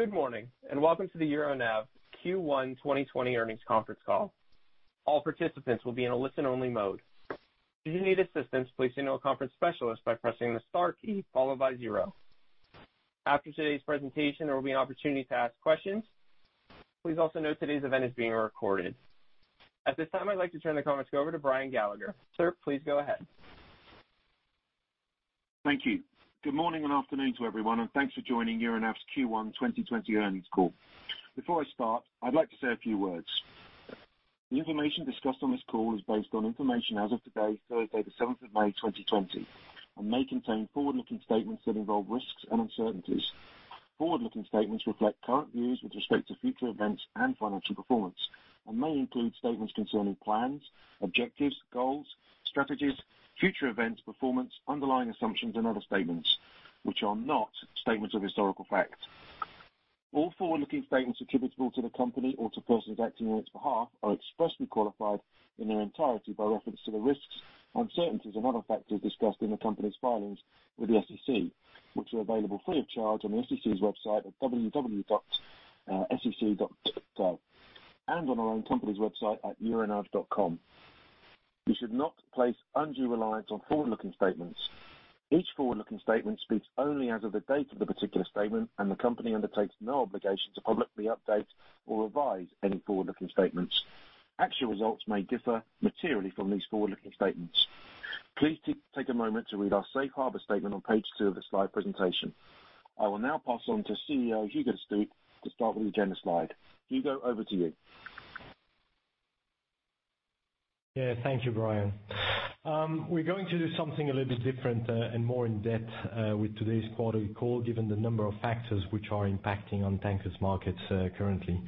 Good morning, welcome to the Euronav Q1 2020 earnings conference call. All participants will be in a listen-only mode. If you need assistance, please signal a conference specialist by pressing the star key, followed by zero. After today's presentation, there will be an opportunity to ask questions. Please also note, today's event is being recorded. At this time, I'd like to turn the conference over to Brian Gallagher. Sir, please go ahead. Thank you. Good morning and afternoon to everyone, and thanks for joining Euronav's Q1 2020 earnings call. Before I start, I'd like to say a few words. The information discussed on this call is based on information as of today, Thursday, the 7th of May 2020, and may contain forward-looking statements that involve risks and uncertainties. Forward-looking statements reflect current views with respect to future events and financial performance, and may include statements concerning plans, objectives, goals, strategies, future events, performance, underlying assumptions, and other statements which are not statements of historical fact. All forward-looking statements attributable to the company or to persons acting on its behalf are expressly qualified in their entirety by reference to the risks, uncertainties, and other factors discussed in the company's filings with the SEC, which are available free of charge on the SEC's website at www.sec.gov, and on our own company's website at euronav.com. You should not place undue reliance on forward-looking statements. Each forward-looking statement speaks only as of the date of the particular statement, and the company undertakes no obligation to publicly update or revise any forward-looking statements. Actual results may differ materially from these forward-looking statements. Please take a moment to read our safe harbor statement on page two of the slide presentation. I will now pass on to CEO, Hugo De Stoop to start with the agenda slide. Hugo, over to you. Yeah. Thank you, Brian. We're going to do something a little bit different, and more in depth with today's quarterly call, given the number of factors which are impacting on tankers markets currently.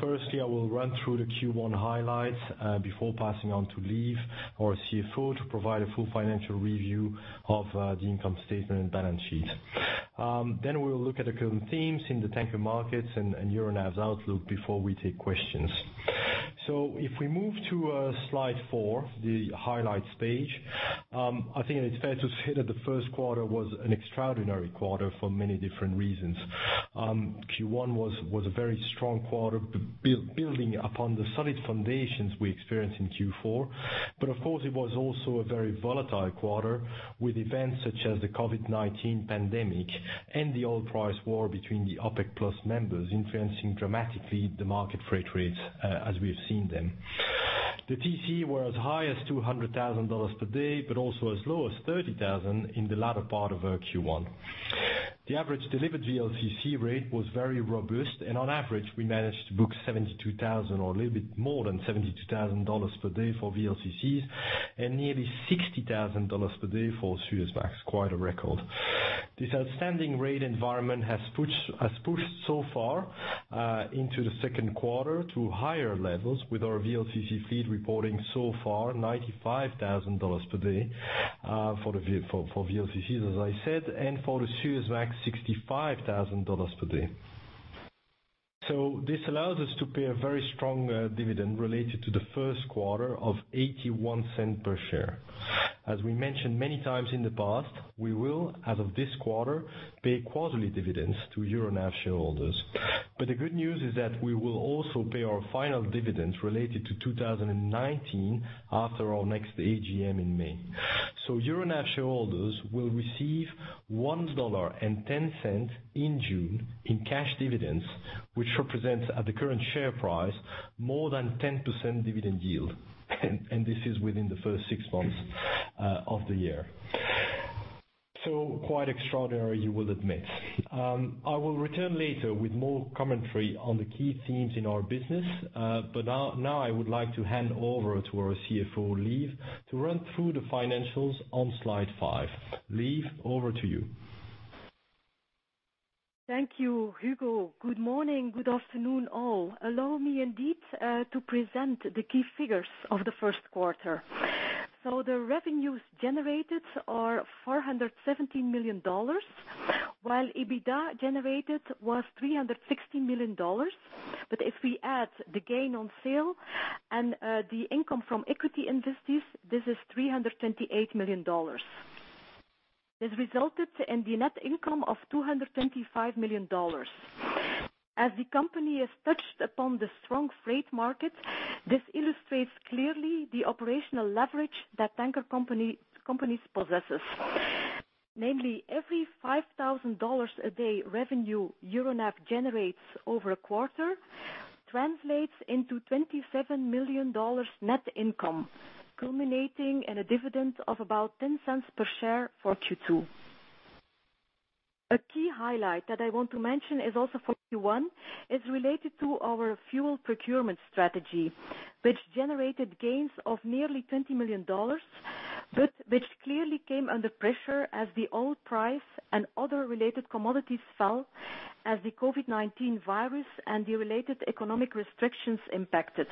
Firstly, I will run through the Q1 highlights, before passing on to Lieve, our CFO, to provide a full financial review of the income statement and balance sheet. We'll look at the current themes in the tanker markets and Euronav's outlook before we take questions. If we move to slide four, the highlights page, I think it's fair to say that the Q1 was an extraordinary quarter for many different reasons. Q1 was a very strong quarter, building upon the solid foundations we experienced in Q4. Of course, it was also a very volatile quarter with events such as the COVID-19 pandemic and the oil price war between the OPEC+ members, influencing dramatically the market freight rates as we've seen them. The TC were as high as $200,000 per day, also as low as $30,000 in the latter part of our Q1. The average delivered VLCC rate was very robust, on average, we managed to book $72,000 or a little bit more than $72,000 per day for VLCCs, nearly $60,000 per day for Suezmax. Quite a record. This outstanding rate environment has pushed so far into the Q2 to higher levels with our VLCC fleet reporting so far $95,000 per day, for VLCCs, as I said, for the Suezmax $65,000 per day. This allows us to pay a very strong dividend related to the Q1 of $0.81 per share. As we mentioned many times in the past, we will, as of this quarter, pay quarterly dividends to Euronav shareholders. The good news is that we will also pay our final dividends related to 2019 after our next AGM in May. Euronav shareholders will receive $1.10 in June in cash dividends, which represents, at the current share price, more than 10% dividend yield, and this is within the first six months of the year. Quite extraordinary, you will admit. I will return later with more commentary on the key themes in our business. Now I would like to hand over to our CFO, Lieve, to run through the financials on slide five. Lieve, over to you. Thank you, Hugo. Good morning, good afternoon, all. Allow me indeed, to present the key figures of the Q1. The revenues generated are $417 million, while EBITDA generated was $360 million. If we add the gain on sale and the income from equity investments, this is $328 million. This resulted in the net income of $225 million. As the company has touched upon the strong freight market, this illustrates clearly the operational leverage that tanker companies possess. Namely, every $5,000 a day revenue Euronav generates over a quarter translates into $27 million net income, culminating in a dividend of about $0.10 per share for Q2. A key highlight that I want to mention is also for Q1, is related to our fuel procurement strategy, which generated gains of nearly $20 million, but which clearly came under pressure as the oil price and other related commodities fell as the COVID-19 virus and the related economic restrictions impacted.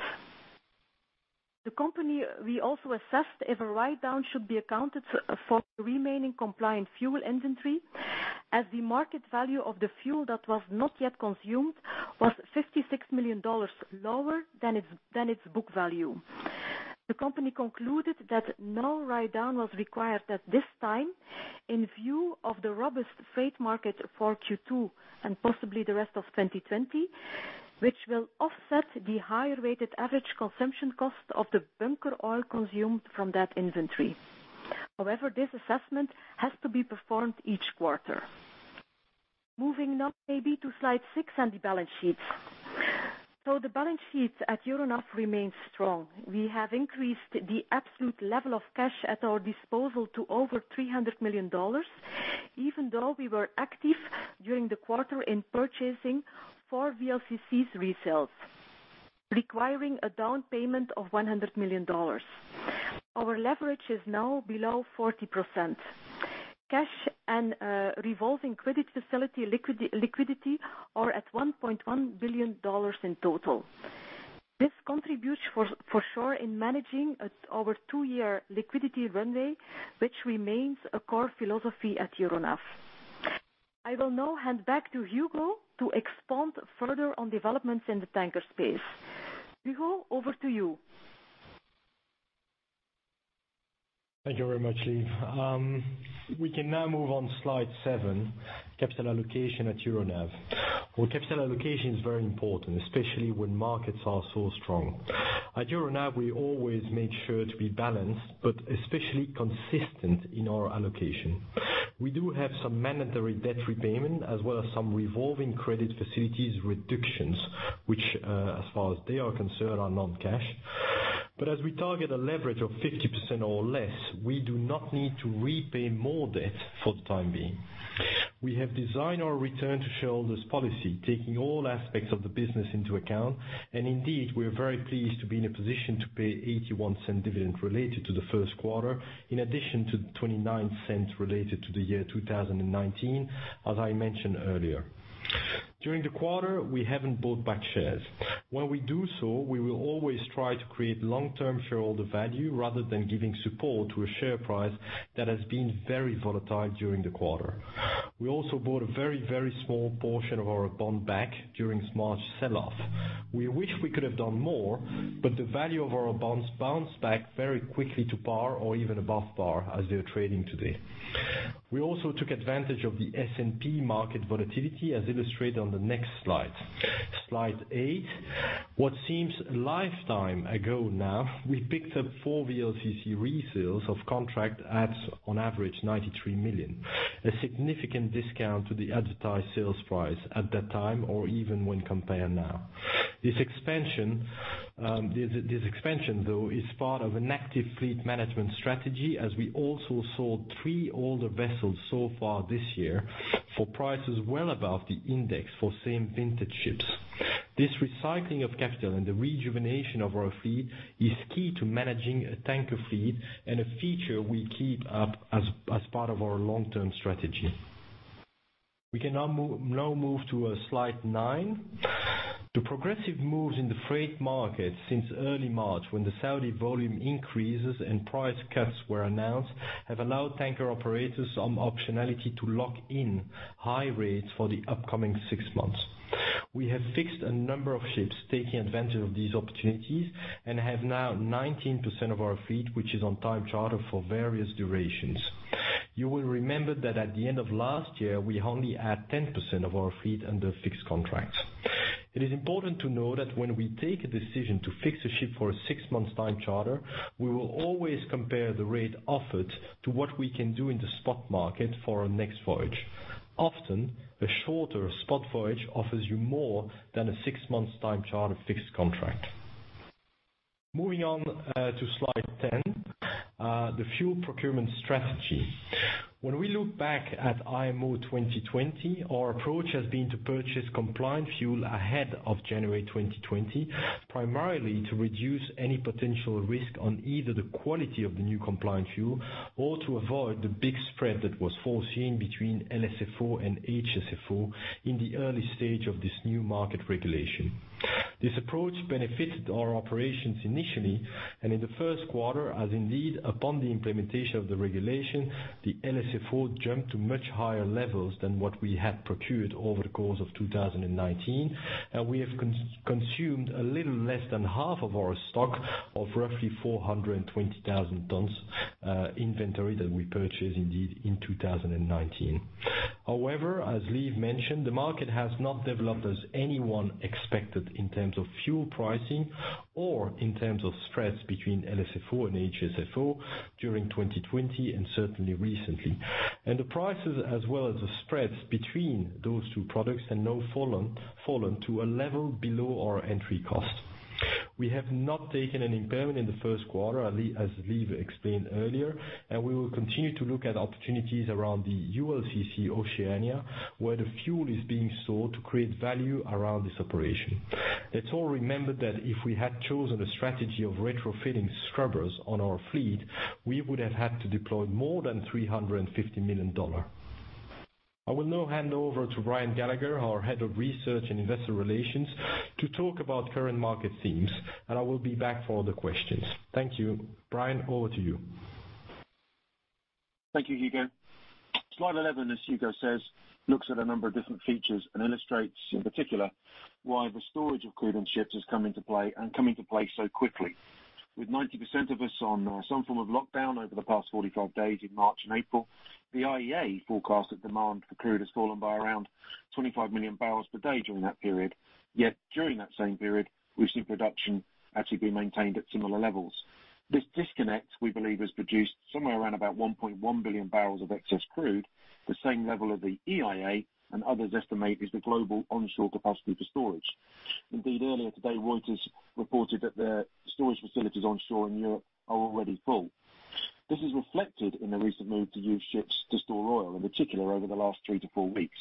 We also assessed if a write-down should be accounted for the remaining compliant fuel inventory as the market value of the fuel that was not yet consumed was $56 million lower than its book value. The company concluded that no write-down was required at this time in view of the robust freight market for Q2 and possibly the rest of 2020, Which will offset the higher rate at average consumption cost of the bunker oil consumed from that inventory. However, this assessment has to be performed each quarter. Moving now maybe to slide six on the balance sheet. The balance sheet at Euronav remains strong. We have increased the absolute level of cash at our disposal to over $300 million, even though we were active during the quarter in purchasing four VLCC resales, requiring a down payment of $100 million. Our leverage is now below 40%. Cash and revolving credit facility liquidity are at $1.1 billion in total. This contributes for sure in managing our two-year liquidity runway, which remains a core philosophy at Euronav. I will now hand back to Hugo to expand further on developments in the tanker space. Hugo, over to you. Thank you very much, Lieve. We can now move on to slide seven, capital allocation at Euronav. Capital allocation is very important, especially when markets are so strong. At Euronav, we always made sure to be balanced, but especially consistent in our allocation. We do have some mandatory debt repayment as well as some revolving credit facilities reductions, which, as far as they are concerned, are non-cash. As we target a leverage of 50% or less, we do not need to repay more debt for the time being. We have designed our return to shareholders policy, taking all aspects of the business into account. Indeed, we are very pleased to be in a position to pay $0.81 dividend related to the Q1, in addition to $0.29 related to the year 2019, as I mentioned earlier. During the quarter, we haven't bought back shares. When we do so, we will always try to create long-term shareholder value rather than giving support to a share price that has been very volatile during the quarter. We also bought a very small portion of our bond back during March sell-off. The value of our bonds bounced back very quickly to par or even above par as they're trading today. We also took advantage of the S&P market volatility, as illustrated on the next slide. Slide eight. What seems a lifetime ago now, we picked up four VLCC resales of contract at on average $93 million. A significant discount to the advertised sales price at that time or even when compared now. This expansion, though, is part of an active fleet management strategy as we also sold three older vessels so far this year, for prices well above the index for same vintage ships. This recycling of capital and the rejuvenation of our fleet is key to managing a tanker fleet and a feature we keep up as part of our long-term strategy. We can now move to slide nine. The progressive moves in the freight market since early March when the Saudi volume increases and price cuts were announced, have allowed tanker operators some optionality to lock in high rates for the upcoming six months. We have fixed a number of ships taking advantage of these opportunities and have now 19% of our fleet which is on time charter for various durations. You will remember that at the end of last year, we only had 10% of our fleet under fixed contracts. It is important to know that when we take a decision to fix a ship for a six-month time charter, we will always compare the rate offered to what we can do in the spot market for our next voyage. Often, a shorter spot voyage offers you more than a six months time charter fixed contract. Moving on to slide 10, the fuel procurement strategy. When we look back at IMO 2020, our approach has been to purchase compliant fuel ahead of January 2020, primarily to reduce any potential risk on either the quality of the new compliant fuel or to avoid the big spread that was foreseen between LSFO and HSFO in the early stage of this new market regulation. This approach benefited our operations initially, in the Q1, as indeed upon the implementation of the regulation, the LSFO jumped to much higher levels than what we had procured over the course of 2019. We have consumed a little less than half of our stock of roughly 420,000 tons inventory that we purchased indeed in 2019. However, as Lieve mentioned, the market has not developed as anyone expected in terms of fuel pricing or in terms of spreads between LSFO and HSFO during 2020 and certainly recently. The prices as well as the spreads between those two products had now fallen to a level below our entry cost. We have not taken an impairment in the Q1, as Lieve explained earlier, and we will continue to look at opportunities around the ULCC Oceania, where the fuel is being sold to create value around this operation. Let's all remember that if we had chosen a strategy of retrofitting scrubbers on our fleet, we would have had to deploy more than $350 million. I will now hand over to Brian Gallagher, our head of research and investor relations, to talk about current market themes, and I will be back for the questions. Thank you. Brian, over to you. Thank you, Hugo. Slide 11, as Hugo says, looks at a number of different features and illustrates, in particular, why the storage of crude on ships has come into play and come into play so quickly. With 90% of us on some form of lockdown over the past 45 days in March and April, the IEA forecasted demand for crude has fallen by around 25 million barrels per day during that period. During that same period, we've seen production actually being maintained at similar levels. This disconnect, we believe, has produced somewhere around about 1.1 billion barrels of excess crude, the same level of the EIA and others estimate is the global onshore capacity for storage. Indeed, earlier today, Reuters reported that their storage facilities onshore in Europe are already full. This is reflected in the recent move to use ships to store oil, in particular over the last three to four weeks.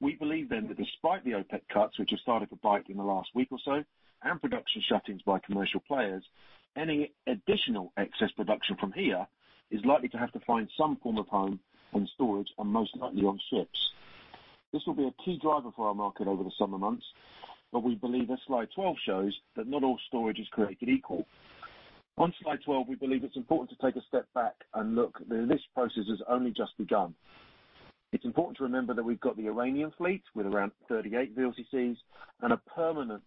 We believe then that despite the OPEC cuts, which have started to bite in the last week or so, and production shuttings by commercial players, any additional excess production from here is likely to have to find some form of home and storage, and most likely on ships. This will be a key driver for our market over the summer months, but we believe as slide 12 shows, that not all storage is created equal. On slide 12, we believe it's important to take a step back and look, that this process has only just begun. It's important to remember that we've got the Iranian fleet with around 38 VLCCs and a permanent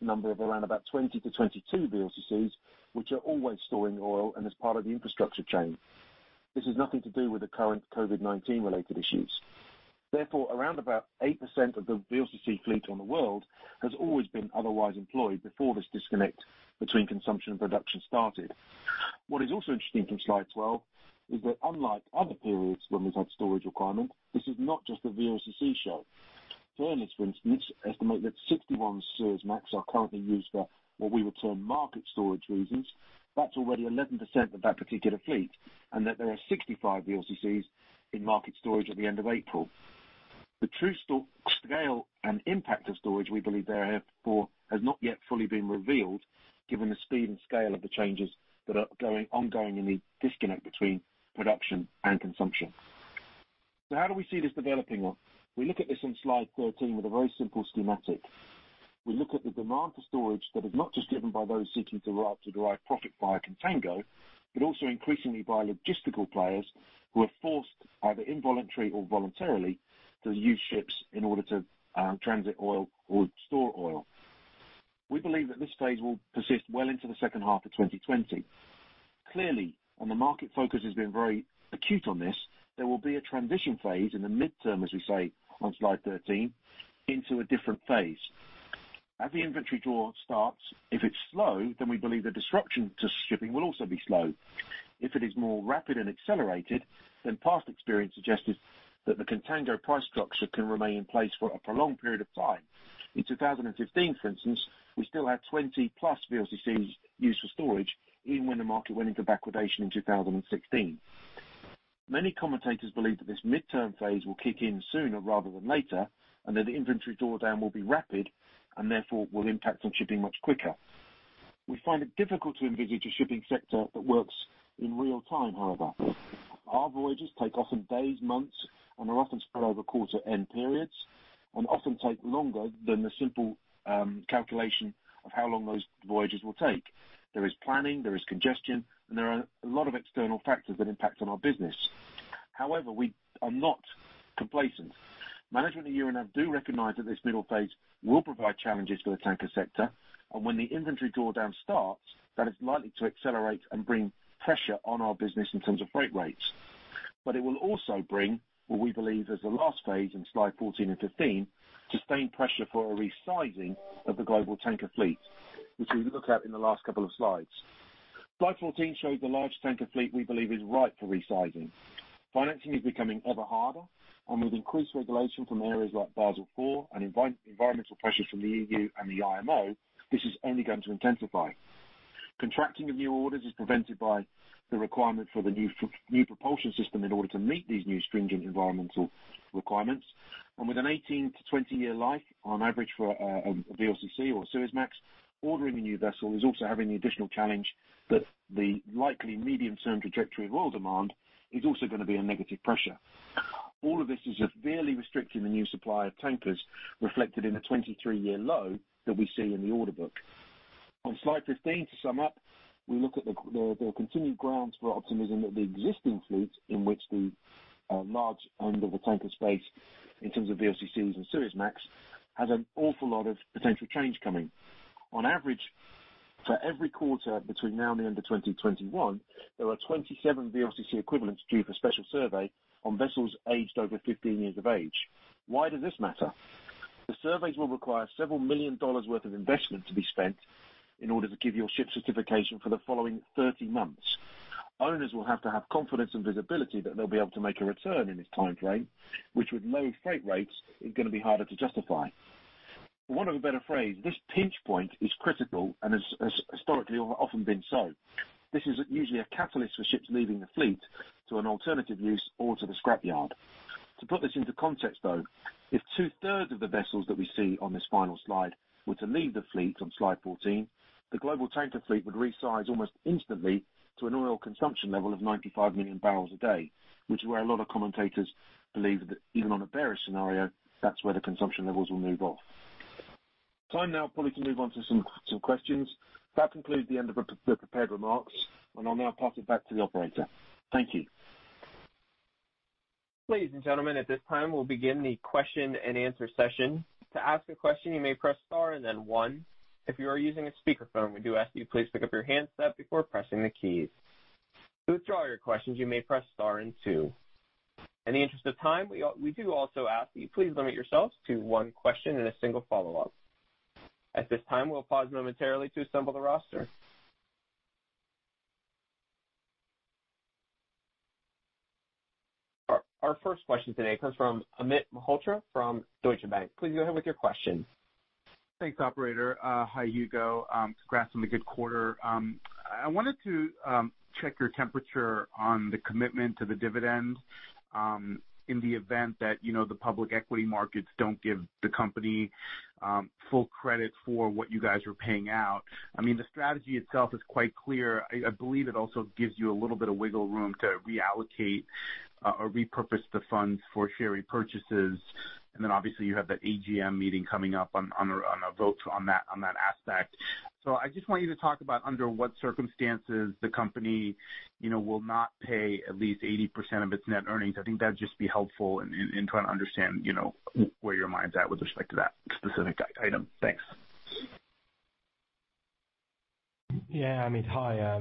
number of around about 20 to 22 VLCCs, which are always storing oil and as part of the infrastructure chain. This has nothing to do with the current COVID-19-related issues. Around about 8% of the VLCC fleet on the world has always been otherwise employed before this disconnect between consumption and production started. What is also interesting from slide 12 is that unlike other periods when we've had storage requirements, this is not just a VLCC show., for instance, estimate that 61 Suezmax are currently used for what we would term market storage reasons. That's already 11% of that particular fleet, and that there are 65 VLCCs in market storage at the end of April. The true scale and impact of storage we believe therefore has not yet fully been revealed given the speed and scale of the changes that are ongoing in the disconnect between production and consumption. How do we see this developing? We look at this on slide 13 with a very simple schematic. We look at the demand for storage that is not just driven by those seeking to derive profit via contango, but also increasingly by logistical players who are forced, either involuntary or voluntarily, to use ships in order to transit oil or store oil. We believe that this phase will persist well into the second half of 2020. Clearly, and the market focus has been very acute on this, there will be a transition phase in the midterm, as we say on slide 13, into a different phase. As the inventory draw starts, if it's slow, then we believe the disruption to shipping will also be slow. If it is more rapid and accelerated, then past experience suggested that the contango price structure can remain in place for a prolonged period of time. In 2015, for instance, we still had 20+ VLCCs used for storage even when the market went into backwardation in 2016. Many commentators believe that this midterm phase will kick in sooner rather than later, and that the inventory drawdown will be rapid, and therefore will impact on shipping much quicker. We find it difficult to envisage a shipping sector that works in real-time, however. Our voyages take often days, months, and are often spread over quarter-end periods, and often take longer than the simple calculation of how long those voyages will take. There is planning, there is congestion, and there are a lot of external factors that impact on our business. However, we are not complacent. Management at Euronav do recognize that this middle phase will provide challenges for the tanker sector, and when the inventory drawdown starts, that it's likely to accelerate and bring pressure on our business in terms of freight rates. It will also bring what we believe is the last phase in slide 14 and 15, sustained pressure for a resizing of the global tanker fleet, which we look at in the last couple of slides. Slide 14 shows the large tanker fleet we believe is ripe for resizing. Financing is becoming ever harder, and with increased regulation from areas like Basel IV and environmental pressures from the EU and the IMO, this is only going to intensify. Contracting of new orders is prevented by the requirement for the new propulsion system in order to meet these new stringent environmental requirements. With an 18-20 year life on average for a VLCC or Suezmax, ordering a new vessel is also having the additional challenge that the likely medium-term trajectory of oil demand is also going to be a negative pressure. All of this is severely restricting the new supply of tankers reflected in the 23-year low that we see in the order book. On slide 15, to sum up, we look at the continued grounds for optimism that the existing fleet in which the large under the tanker space in terms of VLCCs and Suezmax, has an awful lot of potential change coming. On average, for every quarter between now and the end of 2021, there are 27 VLCC equivalents due for special survey on vessels aged over 15 years of age. Why does this matter? The surveys will require several million dollars worth of investment to be spent in order to give your ship certification for the following 30 months. Owners will have to have confidence and visibility that they'll be able to make a return in this time frame, which with low freight rates is going to be harder to justify. For want of a better phrase, this pinch point is critical and has historically often been so. This is usually a catalyst for ships leaving the fleet to an alternative use or to the scrapyard. To put this into context, though, if two-thirds of the vessels that we see on this final slide were to leave the fleet on slide 14, the global tanker fleet would resize almost instantly to an oil consumption level of 95 million barrels a day, which is where a lot of commentators believe that even on a bearish scenario, that's where the consumption levels will move off. Time now, probably, to move on to some questions. That concludes the end of the prepared remarks, and I'll now pass it back to the operator. Thank you. Ladies and gentlemen, at this time, we'll begin the question and answer session. To ask a question, you may press star and then one. If you are using a speakerphone, we do ask that you please pick up your handset before pressing the keys. To withdraw your questions, you may press star and two. In the interest of time, we do also ask that you please limit yourselves to one question and a single follow-up. At this time, we'll pause momentarily to assemble the roster. Our first question today comes from Amit Mehrotra from Deutsche Bank. Please go ahead with your question. Thanks, operator. Hi, Hugo. Congrats on the good quarter. I wanted to check your temperature on the commitment to the dividend in the event that the public equity markets don't give the company full credit for what you guys are paying out. The strategy itself is quite clear. I believe it also gives you a little bit of wiggle room to reallocate or repurpose the funds for share repurchases, and then obviously you have that AGM meeting coming up on a vote on that aspect. I just want you to talk about under what circumstances the company will not pay at least 80% of its net earnings. I think that'd just be helpful in trying to understand where your mind's at with respect to that specific item. Thanks. Amit, hi.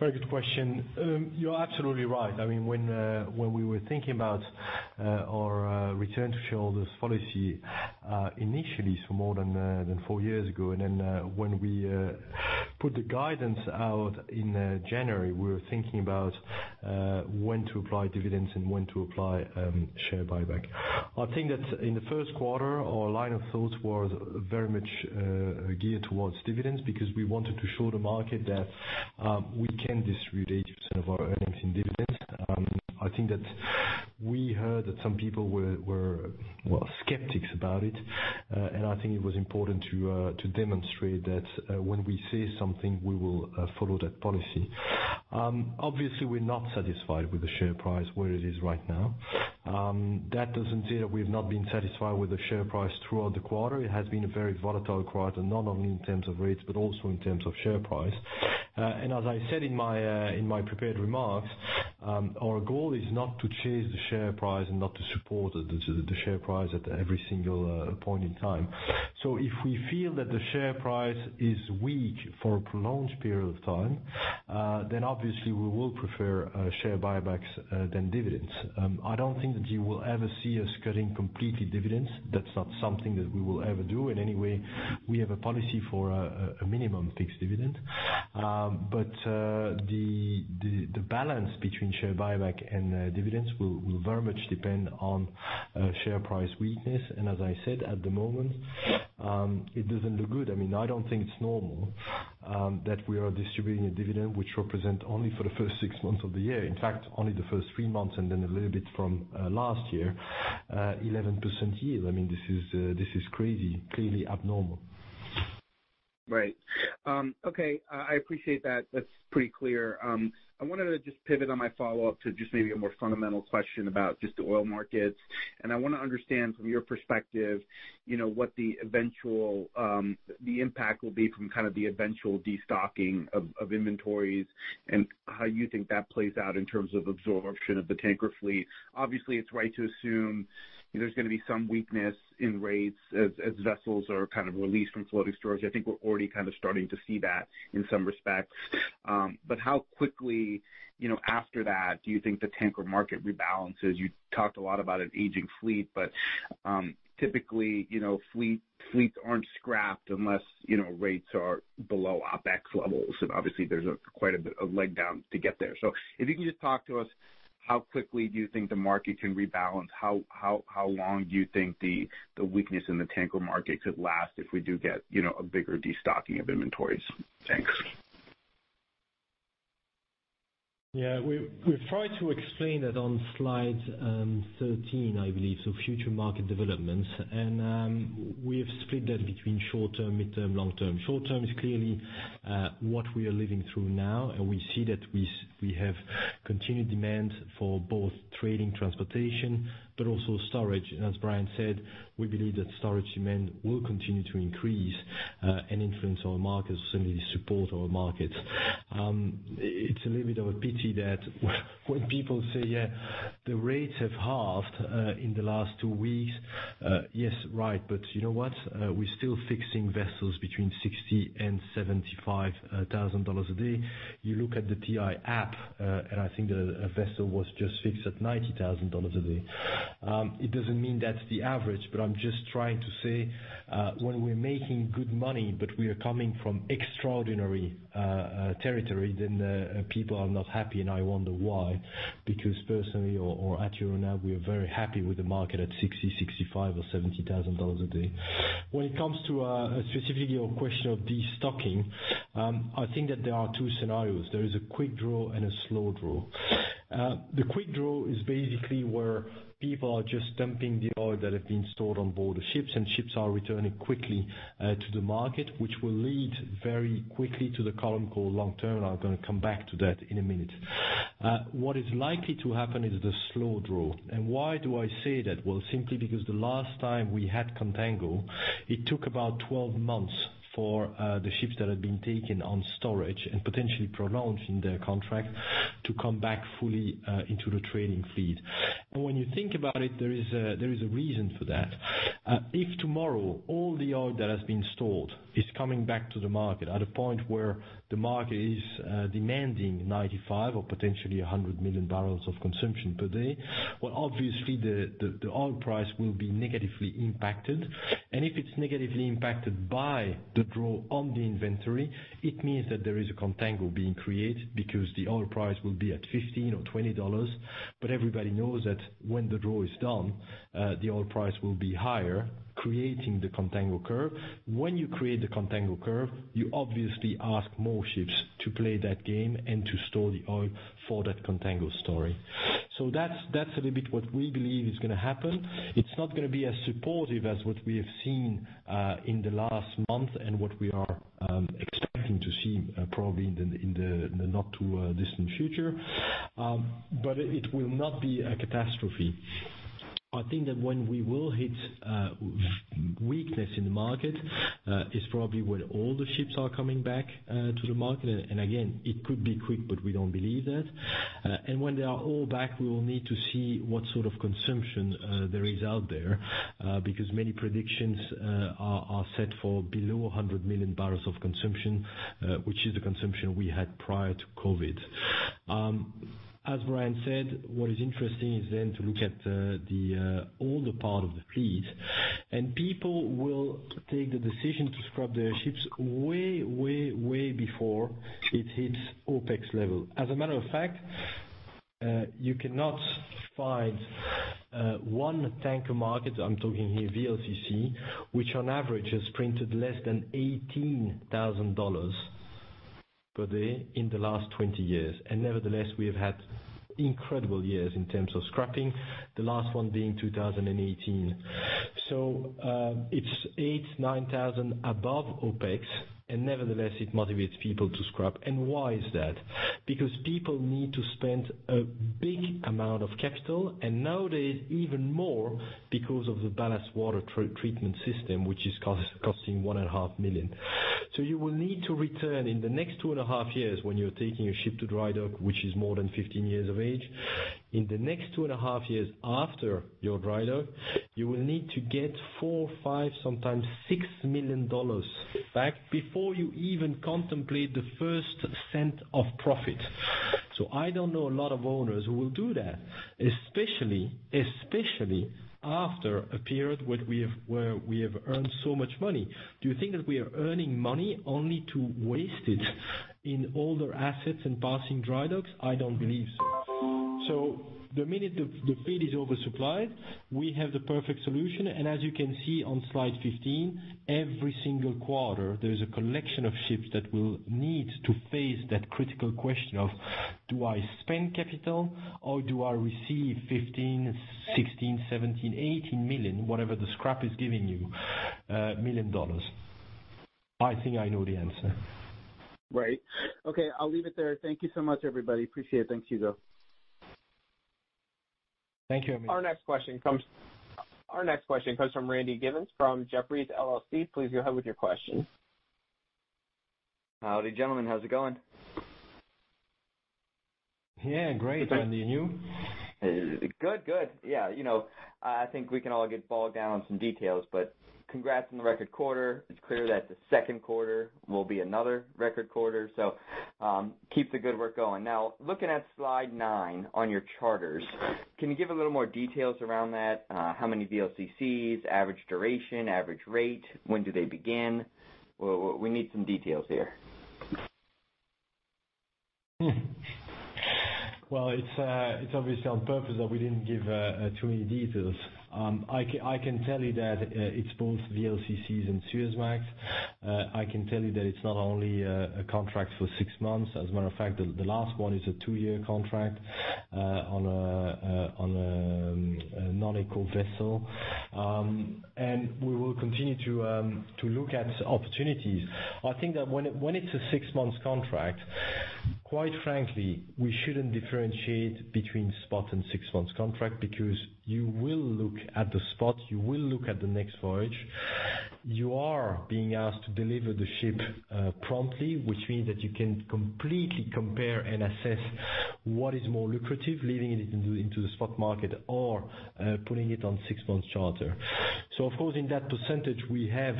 Very good question. You're absolutely right. When we were thinking about our return to shareholders policy, initially, so more than four years ago, and then when we put the guidance out in January, we were thinking about when to apply dividends and when to apply share buyback. I think that in the Q1, our line of thoughts was very much geared towards dividends because we wanted to show the market that we can distribute 80% of our earnings in dividends. I think that we heard that some people were skeptics about it, and I think it was important to demonstrate that when we say something, we will follow that policy. Obviously, we're not satisfied with the share price where it is right now. That doesn't say that we've not been satisfied with the share price throughout the quarter. It has been a very volatile quarter, not only in terms of rates, but also in terms of share price. As I said in my prepared remarks, our goal is not to chase the share price and not to support the share price at every single point in time. If we feel that the share price is weak for a prolonged period of time, then obviously we will prefer share buybacks than dividends. I don't think that you will ever see us cutting completely dividends. That's not something that we will ever do in any way. We have a policy for a minimum fixed dividend. The balance between share buyback and dividends will very much depend on share price weakness. As I said, at the moment, it doesn't look good. I don't think it's normal that we are distributing a dividend which represent only for the first six months of the year. In fact, only the first three months, and then a little bit from last year, 11% yield. This is crazy. Clearly abnormal. Right. Okay, I appreciate that. That's pretty clear. I wanted to just pivot on my follow-up to just maybe a more fundamental question about just the oil markets. I want to understand from your perspective, what the impact will be from kind of the eventual destocking of inventories and how you think that plays out in terms of absorption of the tanker fleet. Obviously, it's right to assume there's going to be some weakness in rates as vessels are kind of released from floating storage. I think we're already starting to see that in some respects. How quickly after that do you think the tanker market rebalances? You talked a lot about an aging fleet, but typically, fleets aren't scrapped unless rates are below OPEX levels. Obviously, there's quite a bit of leg down to get there. If you can just talk to us, how quickly do you think the market can rebalance? How long do you think the weakness in the tanker market could last if we do get a bigger destocking of inventories? Thanks. Yeah. We've tried to explain that on slide 13, I believe, so future market developments, and we have split that between short-term, midterm, long-term. Short-term is clearly what we are living through now, and we see that we have continued demand for both trading transportation, but also storage. As Brian said, we believe that storage demand will continue to increase and influence our markets, certainly support our markets. It's a little bit of a pity that when people say, "Yeah, the rates have halved in the last two weeks." Yes, right. You know what? We're still fixing vessels between $60 and $75,000 a day. You look at the TI app, and I think that a vessel was just fixed at $90,000 a day. It doesn't mean that's the average, but I'm just trying to say, when we're making good money, but we are coming from extraordinary territory, then people are not happy, and I wonder why. Personally or at Euronav, we are very happy with the market at $60, $65, or $70,000 a day. When it comes to specifically your question of destocking, I think that there are two scenarios. There is a quick draw and a slow draw. The quick draw is basically where people are just dumping the oil that have been stored on board the ships, and ships are returning quickly to the market, which will lead very quickly to the column called long-term. I'm going to come back to that in a minute. What is likely to happen is the slow draw. Why do I say that? Well, simply because the last time we had contango, it took about 12 months for the ships that had been taken on storage, and potentially prolonging their contract, to come back fully into the trading fleet. When you think about it, there is a reason for that. If tomorrow, all the oil that has been stored is coming back to the market at a point where the market is demanding 95 or potentially 100 million barrels of consumption per day, well, Obviously the oil price will be negatively impacted. If it's negatively impacted by the draw on the inventory, it means that there is a contango being created because the oil price will be at $15 or $20. Everybody knows that when the draw is done, the oil price will be higher, creating the contango curve. When you create the contango curve, you obviously ask more ships to play that game and to store the oil for that contango story. That's a little bit what we believe is going to happen. It's not going to be as supportive as what we have seen in the last month and what we are expecting to see probably in the not too distant future, but it will not be a catastrophe. I think that when we will hit weakness in the market, is probably when all the ships are coming back to the market. Again, it could be quick, but we don't believe that. When they are all back, we will need to see what sort of consumption there is out there, because many predictions are set for below 100 million barrels of consumption, which is the consumption we had prior to COVID. As Brian said, what is interesting is then to look at all the part of the fleet. People will take the decision to scrap their ships way before it hits OPEX level. As a matter of fact, you cannot find one tanker market, I'm talking here VLCC, which on average has printed less than $18,000 per day in the last 20 years. Nevertheless, we have had incredible years in terms of scrapping, the last one being 2018. It's $8,000-$9,000 above OPEX, and nevertheless it motivates people to scrap. Why is that? Because people need to spend a big amount of capital, and nowadays even more because of the ballast water treatment system, which is costing $1.5 million. You will need to return in the next two and a half years, when you're taking a ship to dry dock, which is more than 15 years of age. In the next two and a half years after your dry dock, you will need to get four, five, sometimes $6 million back before you even contemplate the first $0.01 of profit. I don't know a lot of owners who will do that, especially after a period where we have earned so much money. Do you think that we are earning money only to waste it in older assets and passing dry docks? I don't believe so. The minute the fleet is oversupplied, we have the perfect solution, and as you can see on slide 15, every single quarter, there is a collection of ships that will need to face that critical question of, do I spend capital or do I receive $15 million, $16 million, $17 million, $18 million, whatever the scrap is giving you, million dollars? I think I know the answer. Right. Okay, I'll leave it there. Thank you so much, everybody. Appreciate it. Thanks, Hugo. Thank you, Amit. Our next question comes from Randy Giveans from Jefferies. Please go ahead with your question. Howdy, gentlemen. How's it going? Yeah, great, Randy. You? Good. Yeah. I think we can all get bogged down on some details, but congrats on the record quarter. It's clear that the Q2 will be another record quarter. Keep the good work going. Looking at slide nine on your charters, can you give a little more details around that? How many VLCCs, average duration, average rate? When do they begin? We need some details here. Well, it's obviously on purpose that we didn't give too many details. I can tell you that it's both VLCCs and Suezmax. I can tell you that it's not only a contract for six months. As a matter of fact, the last one is a two-year contract on a non-eco vessel. We will continue to look at opportunities. I think that when it's a six-months contract, quite frankly, we shouldn't differentiate between spot and six months contract because you will look at the spot, You will look at the next voyage. You are being asked to deliver the ship promptly, which means that you can completely compare and assess what is more lucrative, leaving it into the spot market or putting it on six-month charter. Of course, in that percentage, we have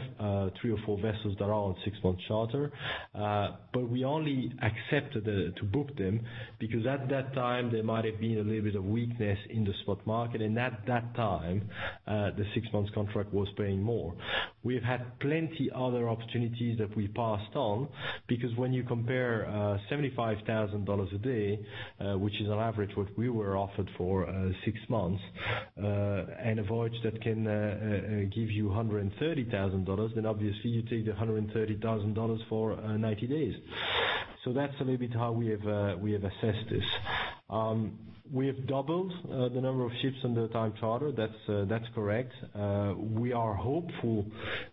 three or four vessels that are on six-month charter. We only accepted to book them because at that time, there might have been a little bit of weakness in the spot market. At that time, the six months contract was paying more. We have had plenty other opportunities that we passed on because when you compare $75,000 a day, which is on average what we were offered for six months, and a voyage that can give you $130,000, obviously you take the $130,000 for 90 days. That's a little bit how we have assessed this. We have doubled the number of ships under time charter. That's correct. We are hopeful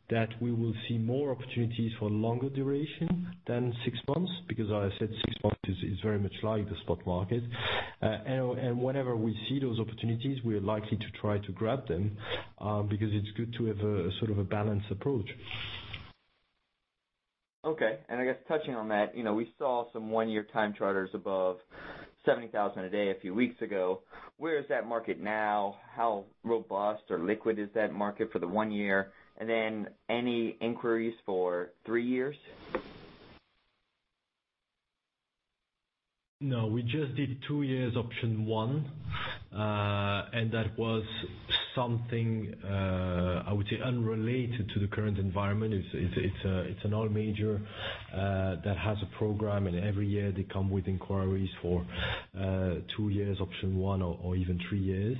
that we will see more opportunities for longer duration than six months, because as I said, six months is very much like the spot market. Whenever we see those opportunities, we are likely to try to grab them, because it's good to have a sort of a balanced approach. Okay. I guess touching on that, we saw some one-year time charters above $70,000 a day a few weeks ago. Where is that market now? How robust or liquid is that market for the one year? Then any inquiries for three years? We just did two years option one, that was something, I would say, unrelated to the current environment. It's an oil major, that has a program, every year they come with inquiries for two years, option one, or even three years.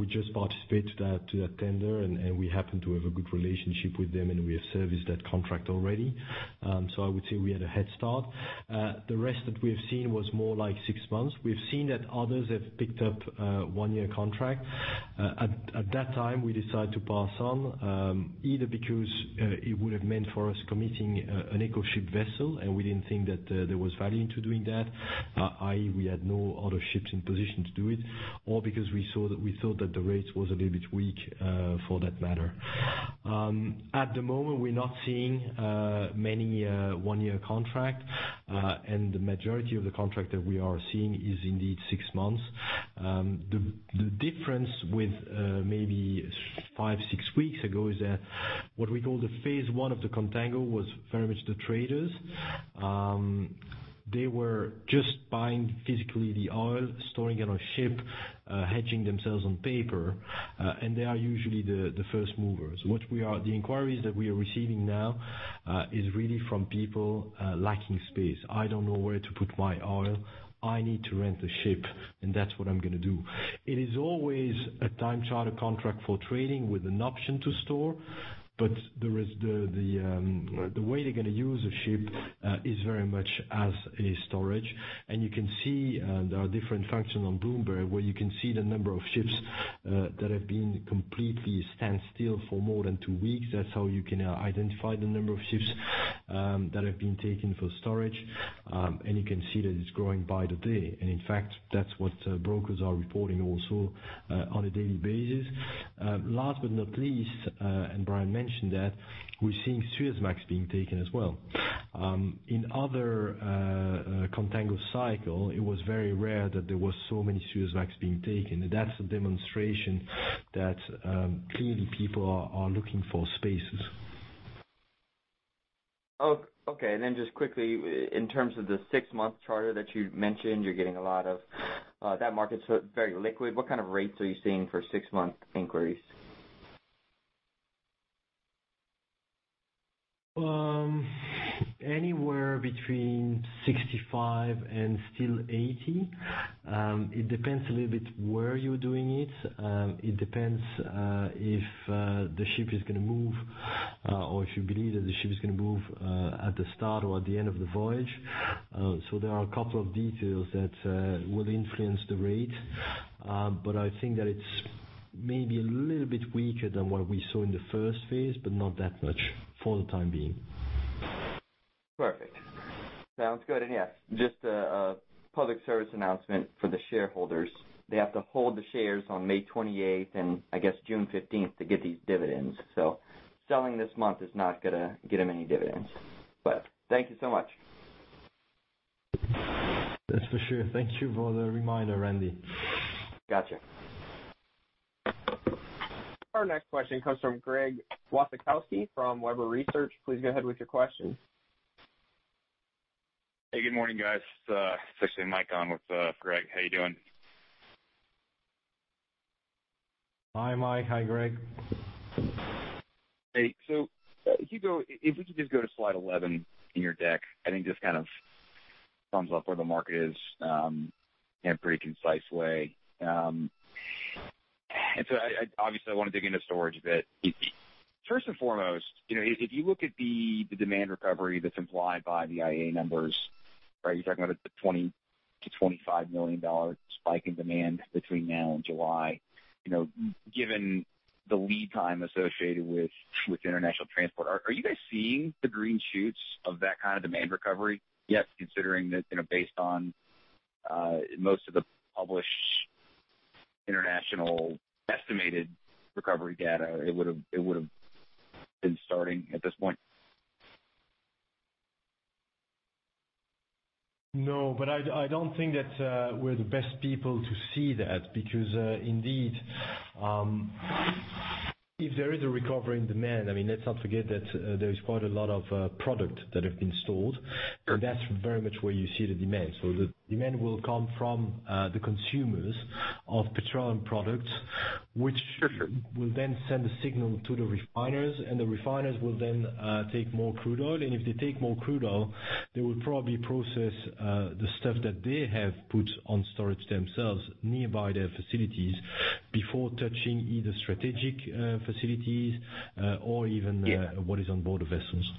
We just participated to that tender, we happen to have a good relationship with them, we have serviced that contract already. I would say we had a head start. The rest that we have seen was more like six months. We've seen that others have picked up a one-year contract. At that time, we decided to pass on, either because it would have meant for us committing an ecoship vessel, and we didn't think that there was value into doing that, i.e., we had no other ships in position to do it, or because we saw that we thought that the rates was a little bit weak for that matter. At the moment, we're not seeing many one-year contract, and the majority of the contract that we are seeing is indeed six months. The difference with maybe five, six weeks ago, is that what we call the phase I of the contango was very much the traders. They were just buying physically the oil, storing it on a ship, hedging themselves on paper, and they are usually the first movers. The inquiries that we are receiving now is really from people lacking space. I don't know where to put my oil. I need to rent a ship, and that's what I'm going to do. It is always a time charter contract for trading with an option to store. The way they're going to use a ship is very much as a storage. You can see there are different functions on Bloomberg where you can see the number of ships that have been completely standstill for more than two weeks. That's how you can identify the number of ships that have been taken for storage. You can see that it's growing by the day. In fact, that's what brokers are reporting also on a daily basis. Last but not least, and Brian mentioned that, we're seeing Suezmax being taken as well. In other contango cycle, it was very rare that there was so many Suezmax being taken. That's a demonstration that clearly people are looking for spaces. Okay. Just quickly, in terms of the six-month charter that you mentioned you're getting a lot of, that market's very liquid. What kind of rates are you seeing for six-month inquiries? Anywhere between 65 and still 80. It depends a little bit where you're doing it. It depends if the ship is going to move or if you believe that the ship is going to move at the start or at the end of the voyage. There are a couple of details that will influence the rate. I think that it's maybe a little bit weaker than what we saw in the first phase, but not that much for the time being. Perfect. Sounds good. Yeah, just a public service announcement for the shareholders. They have to hold the shares on May 28th and I guess June 15th to get these dividends. Selling this month is not going to get them any dividends. Thank you so much. That's for sure. Thank you for the reminder, Randy. Got you. Our next question comes from Greg Wasikowski from Webber Research. Please go ahead with your question. Hey, good morning, guys. It's actually Mike on with Greg. How are you doing? Hi, Mike. Hi, Greg. Hey. If we could just go to slide 11 in your deck. I think just kind of thumbs up where the market is in a pretty concise way. Obviously, I want to dig into storage a bit. First and foremost, if you look at the demand recovery that's implied by the IEA numbers, you're talking about a $20 million-$25 million spike in demand between now and July. Given the lead time associated with international transport, are you guys seeing the green shoots of that kind of demand recovery yet, considering that based on most of the published international estimated recovery data, it would have been starting at this point? No, I don't think that we're the best people to see that, because indeed, if there is a recovery in demand, let's not forget that there is quite a lot of product that have been stored, and that's very much where you see the demand. The demand will come from the consumers of petroleum products, which. Sure. Will then send a signal to the refiners, and the refiners will then take more crude oil. If they take more crude oil, they will probably process the stuff that they have put on storage themselves nearby their facilities before touching either strategic facilities or even. Yeah. What is on board the vessels.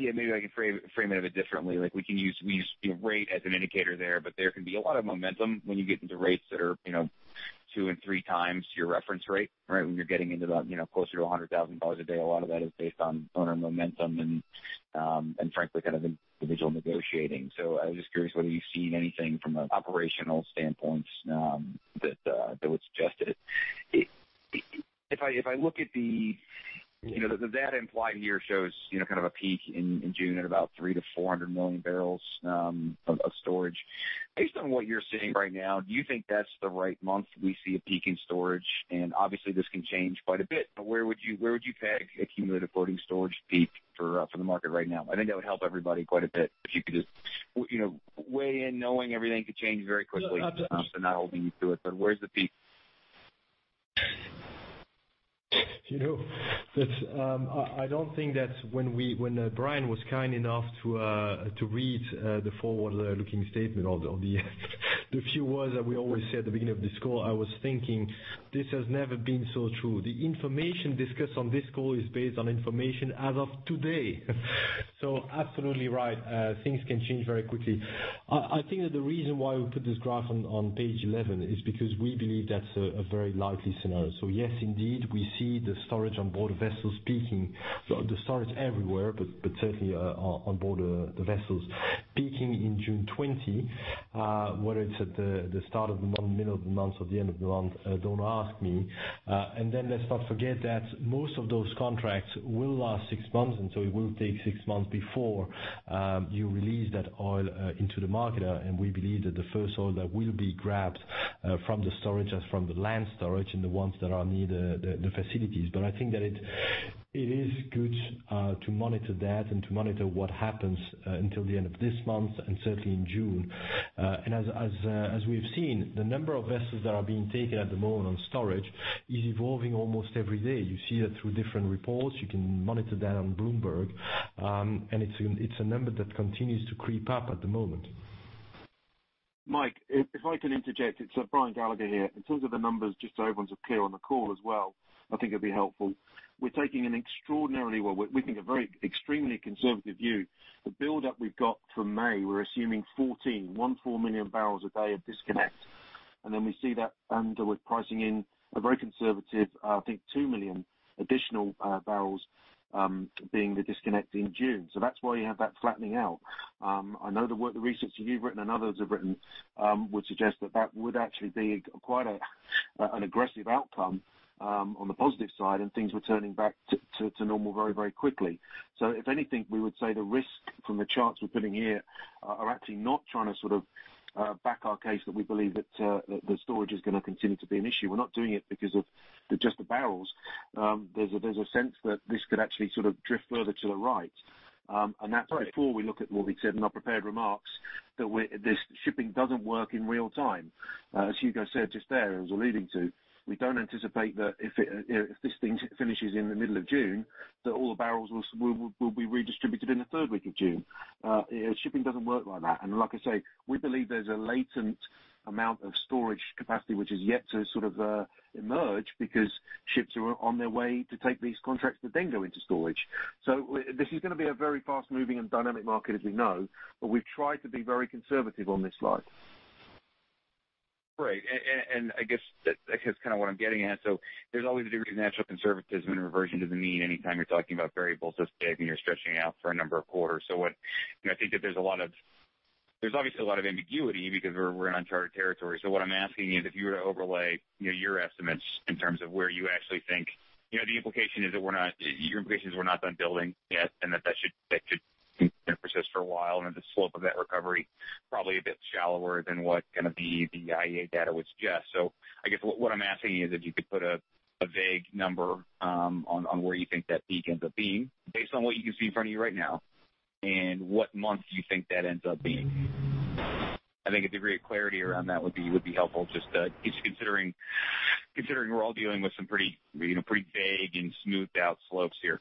Maybe I can frame it a bit differently. We use rate as an indicator there, but there can be a lot of momentum when you get into rates that are two and 3x your reference rate. When you're getting into closer to $100,000 a day, a lot of that is based on owner momentum and frankly, individual negotiating. I was just curious whether you've seen anything from an operational standpoint that would suggest it. I look at the data implied here, shows a peak in June at about 300 million-400 million barrels of storage. Based on what you're seeing right now, do you think that's the right month we see a peak in storage, and obviously this can change quite a bit, but where would you peg cumulative floating storage peak for the market right now? I think that would help everybody quite a bit if you could just weigh in knowing everything could change very quickly. Not holding you to it, but where's the peak? I don't think that when Brian was kind enough to read the forward-looking statement of the few words that we always say at the beginning of this call, I was thinking, "This has never been so true." The information discussed on this call is based on information as of today. Absolutely right, things can change very quickly. I think that the reason why we put this graph on page 11 is because we believe that's a very likely scenario. Yes, indeed, we see the storage on board vessels peaking. The storage everywhere, but certainly on board the vessels peaking in June 2020. Whether it's at the start of the month, middle of the month, or the end of the month, don't ask me. Let's not forget that most of those contracts will last six months, it will take six months before you release that oil into the market. It is good to monitor that and to monitor what happens until the end of this month and certainly in June. As we've seen, the number of vessels that are being taken at the moment on storage is evolving almost every day. You see that through different reports. You can monitor that on Bloomberg. It's a number that continues to creep up at the moment. Mike, if I can interject. It's Brian Gallagher here. In terms of the numbers, just so everyone's clear on the call as well, I think it'd be helpful. We're taking an extraordinarily, well, we think a very extremely conservative view. The buildup we've got for May, we're assuming 14, one-four million barrels a day of disconnect. We see that, and we're pricing in a very conservative I think two million additional barrels being the disconnect in June. That's why you have that flattening out. I know the work, the research that you've written and others have written would suggest that that would actually be quite an aggressive outcome on the positive side, and things returning back to normal very quickly. If anything, we would say the risk from the charts we're putting here are actually not trying to sort of back our case that we believe that the storage is going to continue to be an issue. We're not doing it because of just the barrels. There's a sense that this could actually sort of drift further to the right. That's before we look at what we said in our prepared remarks, that shipping doesn't work in real time. As Hugo said just there, and was alluding to, we don't anticipate that if this thing finishes in the middle of June, that all the barrels will be redistributed in the third week of June. Shipping doesn't work like that. Like I say, we believe there's a latent amount of storage capacity which is yet to sort of emerge because ships are on their way to take these contracts that then go into storage. This is going to be a very fast-moving and dynamic market as we know. We've tried to be very conservative on this slide. Right. I guess that's what I'm getting at. There's always a degree of natural conservatism and reversion to the mean anytime you're talking about variables this big and you're stretching it out for a number of quarters. I think that there's obviously a lot of ambiguity because we're in uncharted territory. What I'm asking is if you were to overlay your estimates in terms of where you actually think, your implication is we're not done building yet, and that should persist for a while, and that the slope of that recovery probably a bit shallower than what going to be the IEA data would suggest. I guess what I'm asking you is if you could put a vague number on where you think that peak ends up being based on what you can see in front of you right now, and what month do you think that ends up being? I think a degree of clarity around that would be helpful just considering we're all dealing with some pretty vague and smoothed-out slopes here.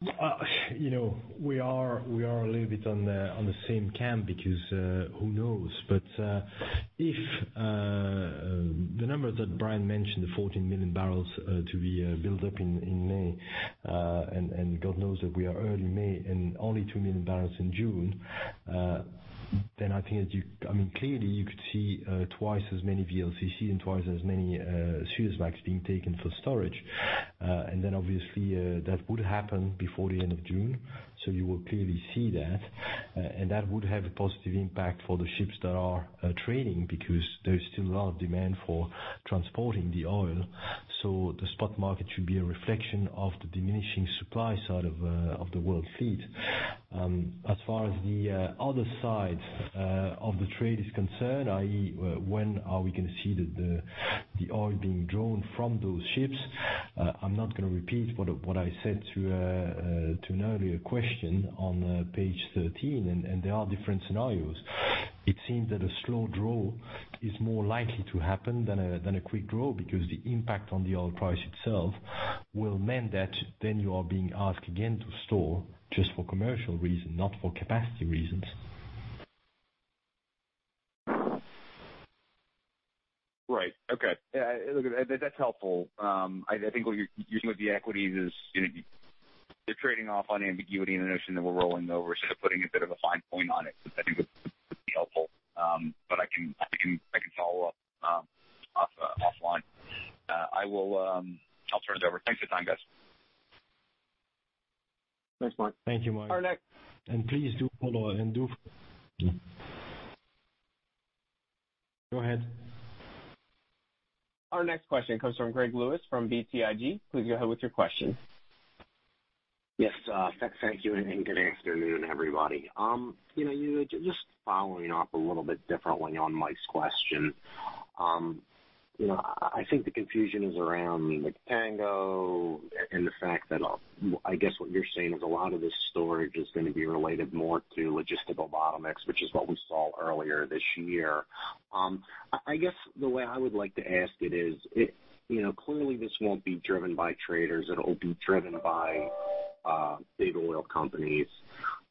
We are a little bit on the same camp because who knows? If the number that Brian mentioned, the 14 million barrels to be built up in May, and God knows that we are early May and only 2 million barrels in June, I think, clearly you could see twice as many VLCC and twice as many Suezmax being taken for storage. Obviously, that would happen before the end of June. You will clearly see that, and that would have a positive impact for the ships that are trading because there is still a lot of demand for transporting the oil. The spot market should be a reflection of the diminishing supply side of the world fleet. As far as the other side of the trade is concerned, i.e., when are we going to see the oil being drawn from those ships? I'm not going to repeat what I said to an earlier question on page 13. There are different scenarios. It seems that a slow draw is more likely to happen than a quick draw because the impact on the oil price itself will mean that then you are being asked again to store just for commercial reason, not for capacity reasons. Okay. That's helpful. I think what you're using with the equities is, they're trading off on ambiguity and the notion that we're rolling over instead of putting a bit of a fine point on it. I think it would be helpful. I can follow up offline. I'll turn it over. Thanks for the time, guys. Thanks, Mike. Thank you, Mike. Our next. Please do follow and do. Go ahead. Our next question comes from Greg Lewis from BTIG. Please go ahead with your question. Yes. Thank you, and good afternoon, everybody. Just following up a little bit differently on Mike's question. I think the confusion is around contango and the fact that, I guess what you're saying is a lot of this storage is going to be related more to logistical bottlenecks, which is what we saw earlier this year. I guess the way I would like to ask it is, clearly this won't be driven by traders, it'll be driven by big oil companies.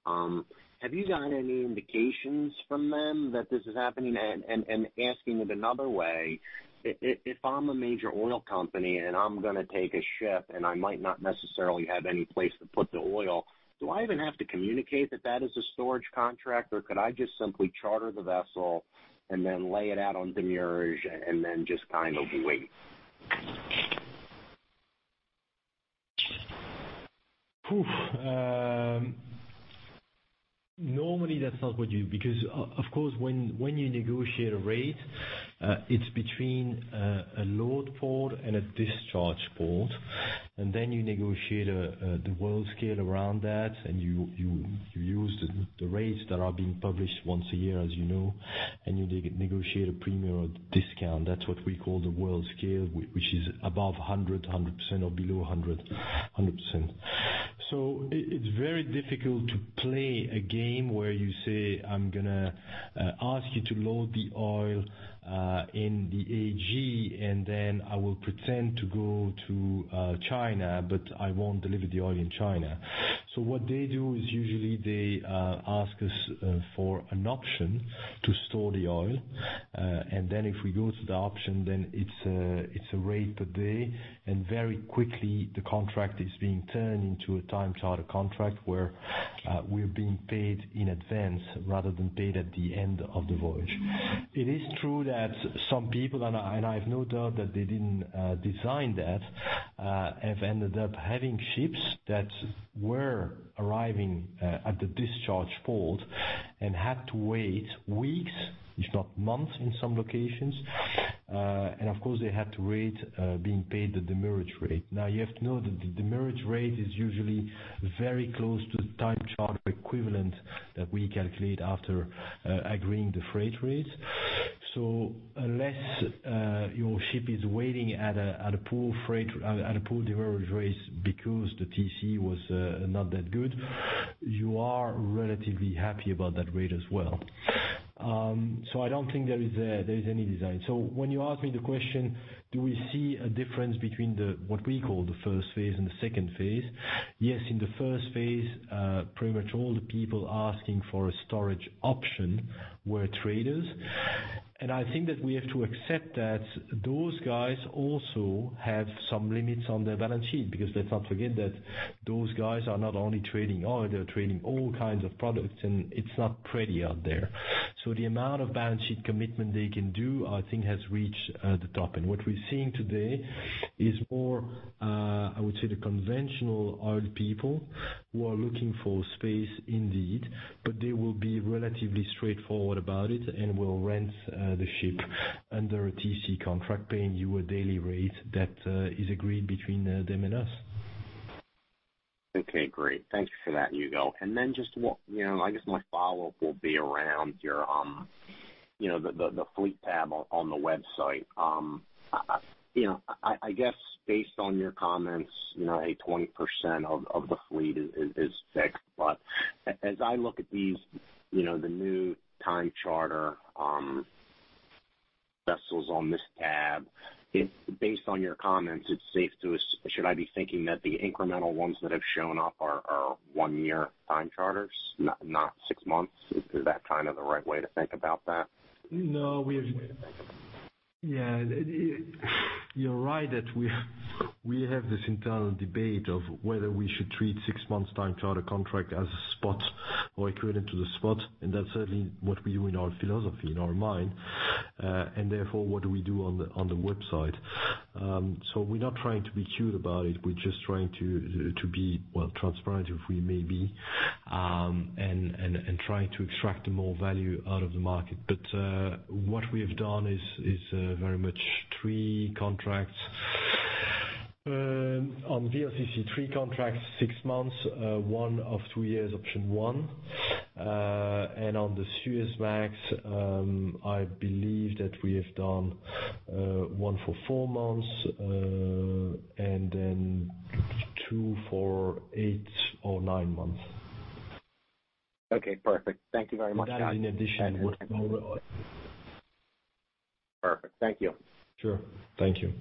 Have you got any indications from them that this is happening? Asking it another way, if I'm a major oil company, and I'm going to take a ship, and I might not necessarily have any place to put the oil, do I even have to communicate that that is a storage contract, or could I just simply charter the vessel and then lay it out on demurrage, and then just kind of wait? Of course, when you negotiate a rate, it's between a load port and a discharge port, and then you negotiate the Worldscale around that, and you use the rates that are being published once a year, as you know, and you negotiate a premium or discount. That's what we call the Worldscale, which is above 100% or below 100%. It's very difficult to play a game where you say, "I'm going to ask you to load the oil in the AG, and then I will pretend to go to China, but I won't deliver the oil in China." What they do is usually they ask us for an option to store the oil, and then if we go to the option, then it's a rate per day, and very quickly the contract is being turned into a time charter contract, Where we're being paid in advance rather than paid at the end of the voyage. It is true that some people, and I have no doubt that they didn't design that, have ended up having ships that were arriving at the discharge port and had to wait weeks, if not months, in some locations. Of course, they had to wait, being paid the demurrage rate. You have to know that the demurrage rate is usually very close to the time charter equivalent that we calculate after agreeing the freight rate. Unless your ship is waiting at a poor demurrage rate because the TC was not that good, you are relatively happy about that rate as well. I don't think there's any design. When you ask me the question, do we see a difference between the, what we call the first phase and the second phase? Yes, in the first phase, pretty much all the people asking for a storage option were traders. I think that we have to accept that those guys also have some limits on their balance sheet, because let's not forget that those guys are not only trading oil, they are trading all kinds of products, and it's not pretty out there. The amount of balance sheet commitment they can do, I think has reached the top. What we're seeing today is more, I would say, the conventional oil people who are looking for space indeed, but they will be relatively straightforward about it and will rent the ship under a TC contract, paying you a daily rate that is agreed between them and us. Okay, great. Thank you for that, Hugo. I guess my follow-up will be around the fleet tab on the website. I guess, based on your comments, a 20% of the fleet is fixed. The new time charter vessels on this tab, based on your comments, should I be thinking that the incremental ones that have shown up are one-year time charters, not six months? Is that kind of the right way to think about that? No. You're right that we have this internal debate of whether we should treat six months time charter contract as a spot or equivalent to the spot, and that's certainly what we do in our philosophy, in our mind, and therefore, what we do on the website. We're not trying to be cute about it. We're just trying to be transparent, if we may be, and trying to extract more value out of the market. What we have done is very much three contracts. On VLCC, three contracts, six months, one of two years, option one. On the Suezmax, I believe that we have done one for four months, then two for eight or nine months. Okay, perfect. Thank you very much. That in addition would cover oil. Perfect. Thank you. Sure. Thank you.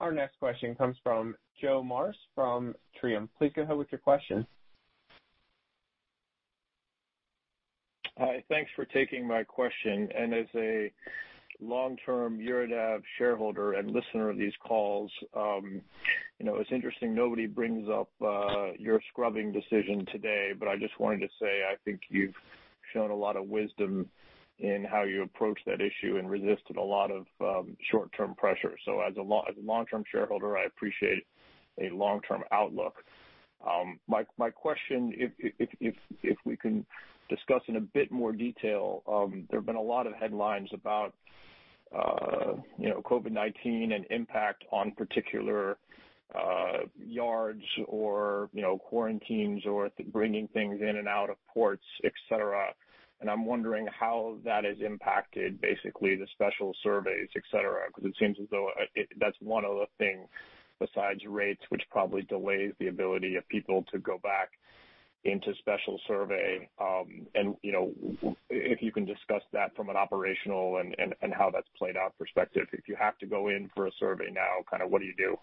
Our next question comes from Joe Mares from Trium Capital. Please go ahead with your question. Hi. Thanks for taking my question. As a long-term Euronav shareholder and listener of these calls, it's interesting nobody brings up your scrubbing decision today. I just wanted to say, I think you've shown a lot of wisdom in how you approached that issue and resisted a lot of short-term pressure. As a long-term shareholder, I appreciate a long-term outlook. My question, if we can discuss in a bit more detail. There have been a lot of headlines about COVID-19 and impact on particular yards or quarantines or bringing things in and out of ports, et cetera. I'm wondering how that has impacted, basically, the special surveys, et cetera, because it seems as though that's one of the things besides rates, which probably delays the ability of people to go back into special survey. If you can discuss that from an operational and how that's played out perspective. If you have to go in for a survey now, what do you do?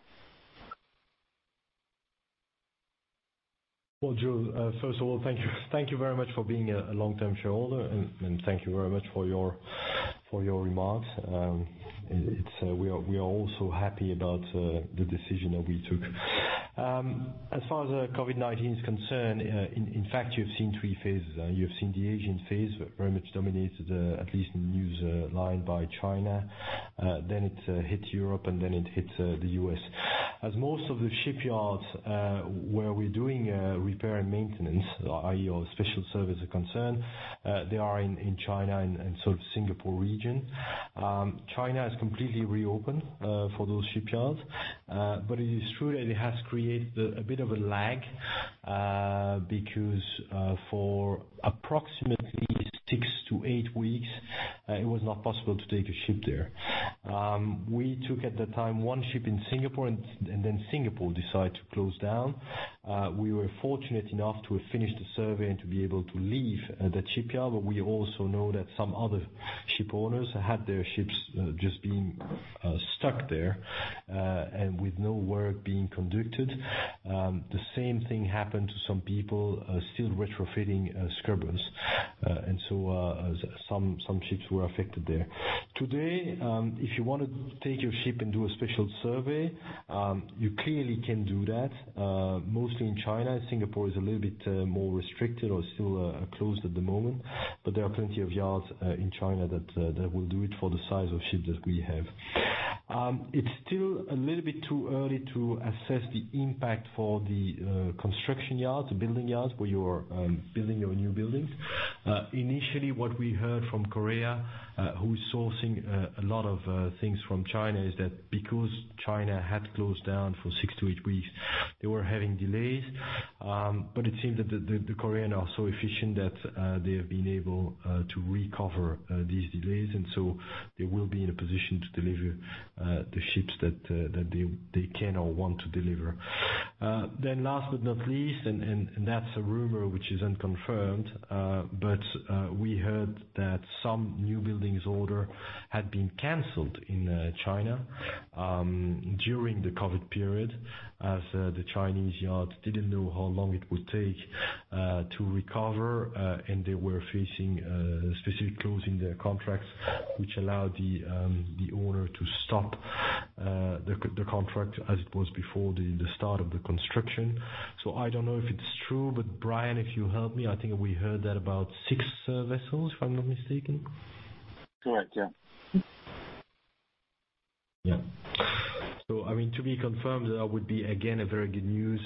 Joe, first of all, thank you very much for being a long-term shareholder, and thank you very much for your remarks. We are also happy about the decision that we took. As far as COVID-19 is concerned, in fact, you've seen three phases. You have seen the Asian phase very much dominated, at least in news line by China. It hit Europe, and then it hit the U.S. As most of the shipyards where we're doing repair and maintenance, i.e. your special surveys are concerned, they are in China and Singapore region. China has completely reopened for those shipyards. It is true that it has created a bit of a lag, because for approximately 6 to 8 weeks, it was not possible to take a ship there. We took, at the time, one ship in Singapore, and then Singapore decided to close down. We were fortunate enough to have finished the survey and to be able to leave that shipyard, but we also know that some other ship owners had their ships just being stuck there, and with no work being conducted. The same thing happened to some people still retrofitting scrubbers. Some ships were affected there. Today, if you want to take your ship and do a special survey, you clearly can do that, mostly in China. Singapore is a little bit more restricted or still closed at the moment, but there are plenty of yards in China that will do it for the size of ship that we have. It's still a little bit too early to assess the impact for the construction yards, the building yards, where you are building your new buildings. Initially, what we heard from Korea, who is sourcing a lot of things from China, is that because China had closed down for six to eight weeks, they were having delays. It seems that the Korean are so efficient that they have been able to recover these delays, and so they will be in a position to deliver the ships that they can or want to deliver. Last but not least, and that's a rumor which is unconfirmed, but we heard that some new buildings order had been canceled in China during the COVID period, as the Chinese yards didn't know how long it would take to recover, and they were facing specific clause in their contracts, which allowed the owner to stop the contract as it was before the start of the construction. I don't know if it's true, but Brian, if you'll help me, I think we heard that about six vessels, if I'm not mistaken. Correct. Yeah. Yeah. To be confirmed, that would be again, a very good news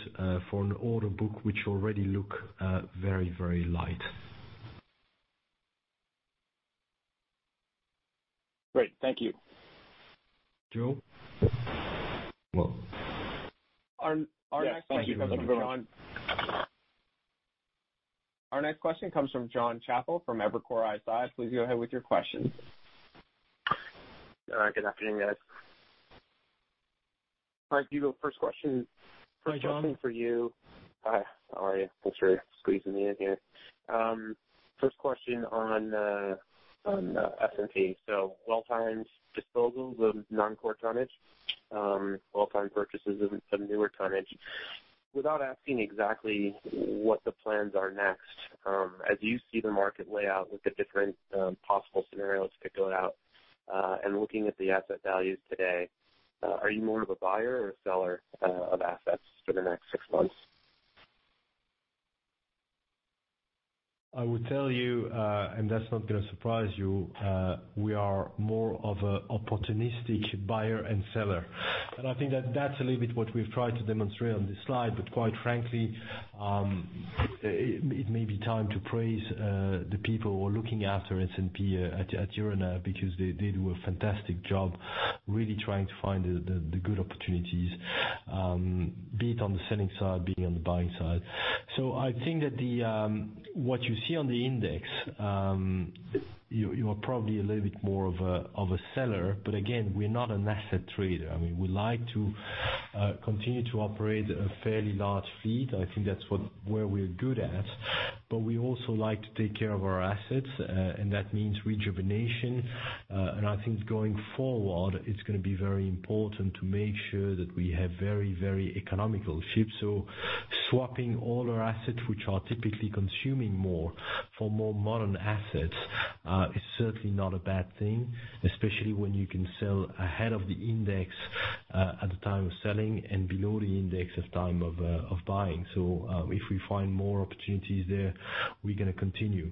for an order book, which already looks very light. Great. Thank you. Joe, Welcome. Our next question comes from Jon. Yeah, thank you. Our next question comes from Jon Chappell from Evercore ISI. Please go ahead with your question. Good afternoon, guys. Marc, first question- Hi, Jon. For you. Hi, how are you? Thanks for squeezing me in here. First question on S&P. Well-timed disposals of non-core tonnage, well-timed purchases of some newer tonnage. Without asking exactly what the plans are next, as you see the market layout with the different possible scenarios could go out, and looking at the asset values today, are you more of a buyer or a seller of assets for the next six months? I would tell you, that's not going to surprise you, we are more of an opportunistic buyer and seller. I think that's a little bit what we've tried to demonstrate on this slide. Quite frankly, it may be time to praise the people who are looking after S&P at Euronav because they do a fantastic job, really trying to find the good opportunities, be it on the selling side, be it on the buying side. I think that what you see on the index, you are probably a little bit more of a seller. Again, we're not an asset trader. I mean, we like to continue to operate a fairly large fleet. I think that's where we're good at. We also like to take care of our assets, and that means rejuvenation. I think going forward, it's going to be very important to make sure that we have very economical ships. Swapping older assets, which are typically consuming more, for more modern assets, is certainly not a bad thing, especially when you can sell ahead of the index at the time of selling, and below the index at time of buying. If we find more opportunities there, we're going to continue.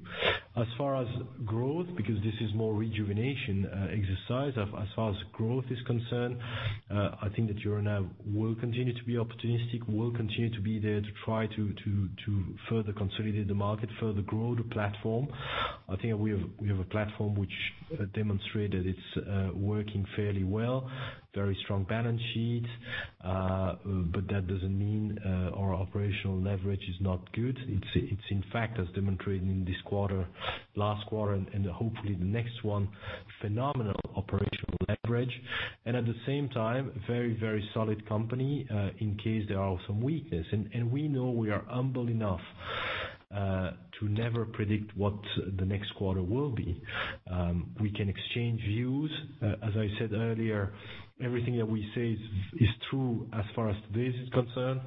As far as growth, because this is more rejuvenation exercise. As far as growth is concerned, I think that Euronav will continue to be opportunistic, will continue to be there to try to further consolidate the market, further grow the platform. I think we have a platform which demonstrated it's working fairly well. Very strong balance sheet. That doesn't mean our operational leverage is not good. It's in fact, as demonstrated in this quarter, last quarter, and hopefully the next one, phenomenal operational leverage. At the same time, very solid company in case there are some weakness. We know we are humble enough to never predict what the next quarter will be. We can exchange views. As I said earlier, everything that we say is true as far as today is concerned,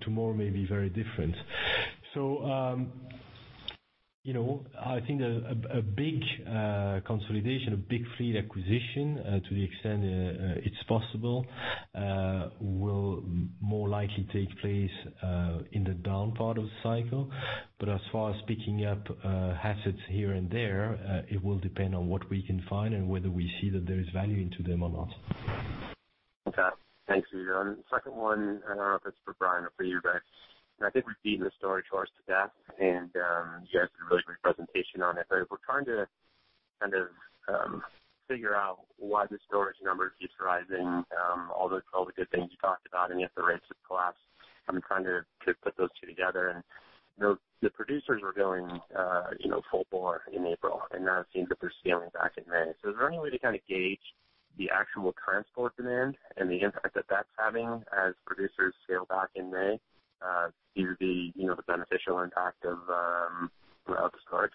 tomorrow may be very different. I think a big consolidation, a big fleet acquisition, to the extent it's possible, will more likely take place in the down part of the cycle. As far as picking up assets here and there, it will depend on what we can find and whether we see that there is value into them or not. Okay. Thanks, Hugo. The second one, I don't know if it's for Brian or for you, but I think we've beaten the storage horse to death, and you guys did a really great presentation on it. We're trying to kind of figure out why the storage numbers keep rising. All the good things you talked about, and yet the rates have collapsed. I'm trying to put those two together and the producers were going full bore in April, and now it seems that they're scaling back in May. Is there any way to kind of gauge the actual transport demand and the impact that that's having as producers scale back in May? Do you see the beneficial impact of storage?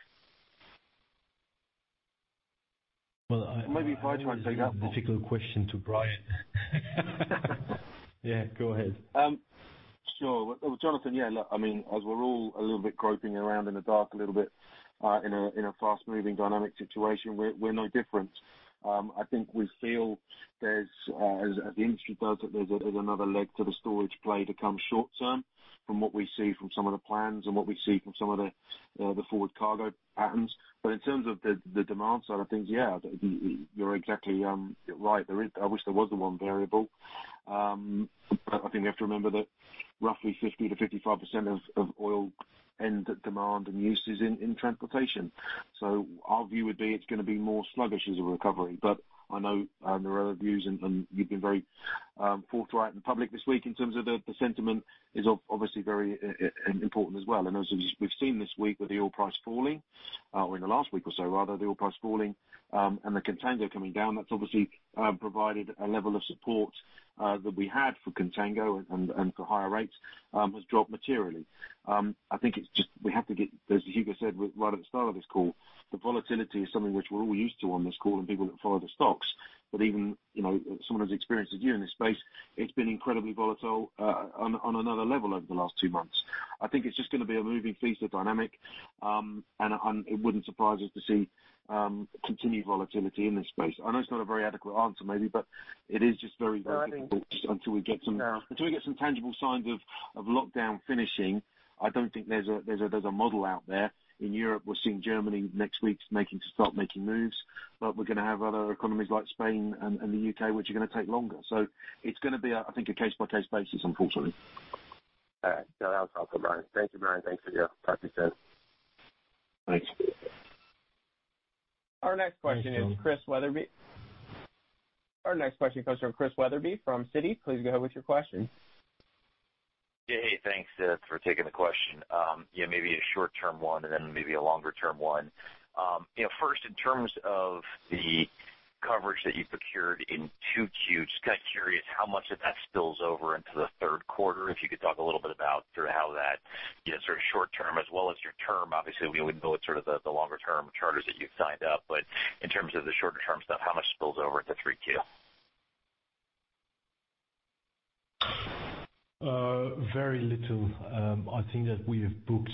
Well, maybe if I try to take that particular question to Brian. Yeah, go ahead. Sure. Jonathan, yeah, look, as we're all a little bit groping around in the dark a little bit, in a fast-moving dynamic situation, we're no different. I think we feel there's, as the industry does, that there's another leg to the storage play to come short term from what we see from some of the plans and what we see from some of the forward cargo patterns. In terms of the demand side of things, yeah, you're exactly right. I wish there was the one variable. I think we have to remember that roughly 50%-55% of oil end demand and use is in transportation. Our view would be it's going to be more sluggish as a recovery. I know there are other views and you've been very forthright in public this week in terms of the sentiment is obviously very important as well. As we've seen this week with the oil price falling, or in the last week or so rather, the oil price falling, and the contango coming down, that's obviously provided a level of support that we had for contango and for higher rates, has dropped materially. I think it's just we have to get, as Hugo said, right at the start of this call, The volatility is something which we're all used to on this call and people that follow the stocks. Even someone as experienced as you in this space, it's been incredibly volatile on another level over the last two months. I think it's just going to be a moving feast of dynamic, and it wouldn't surprise us to see continued volatility in this space. I know it's not a very adequate answer, maybe. It is just very difficult until we get some tangible signs of lockdown finishing. I don't think there's a model out there. In Europe, we're seeing Germany next week start making moves. We're going to have other economies like Spain and the U.K., which are going to take longer. It's going to be, I think, a case-by-case basis, unfortunately. All right. No, that was helpful, Brian. Thank you, Brian. Thanks, Hugo. Talk to you soon. Thanks. Our next question is Chris Wetherbee. Our next question comes from Chris Wetherbee from Citi. Please go ahead with your question. Hey, thanks for taking the question. Yeah, maybe a short-term one, and then maybe a longer-term one. First, in terms of the coverage that you procured in 2Q, just kind of curious how much of that spills over into the Q3, If you could talk a little bit about sort of how that sort of short-term as well as near term, obviously, we wouldn't know what sort of the longer-term charters that you've signed up, but in terms of the shorter-term stuff, how much spills over into 3Q? Very little. I think that we have booked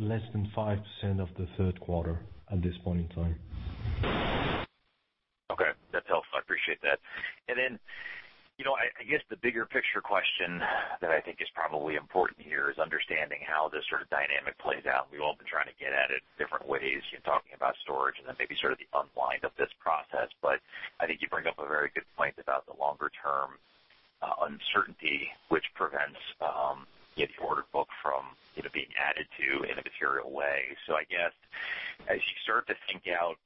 less than 5% of the Q3 at this point in time. Okay, that's helpful. I appreciate that. I guess the bigger picture question that I think is probably important here is understanding how this sort of dynamic plays out. We've all been trying to get at it different ways, talking about storage, and then maybe sort of the unwind of this process. I think you bring up a very good point about the longer-term uncertainty, which prevents the order book from being added to in a material way. I guess, as you start to think out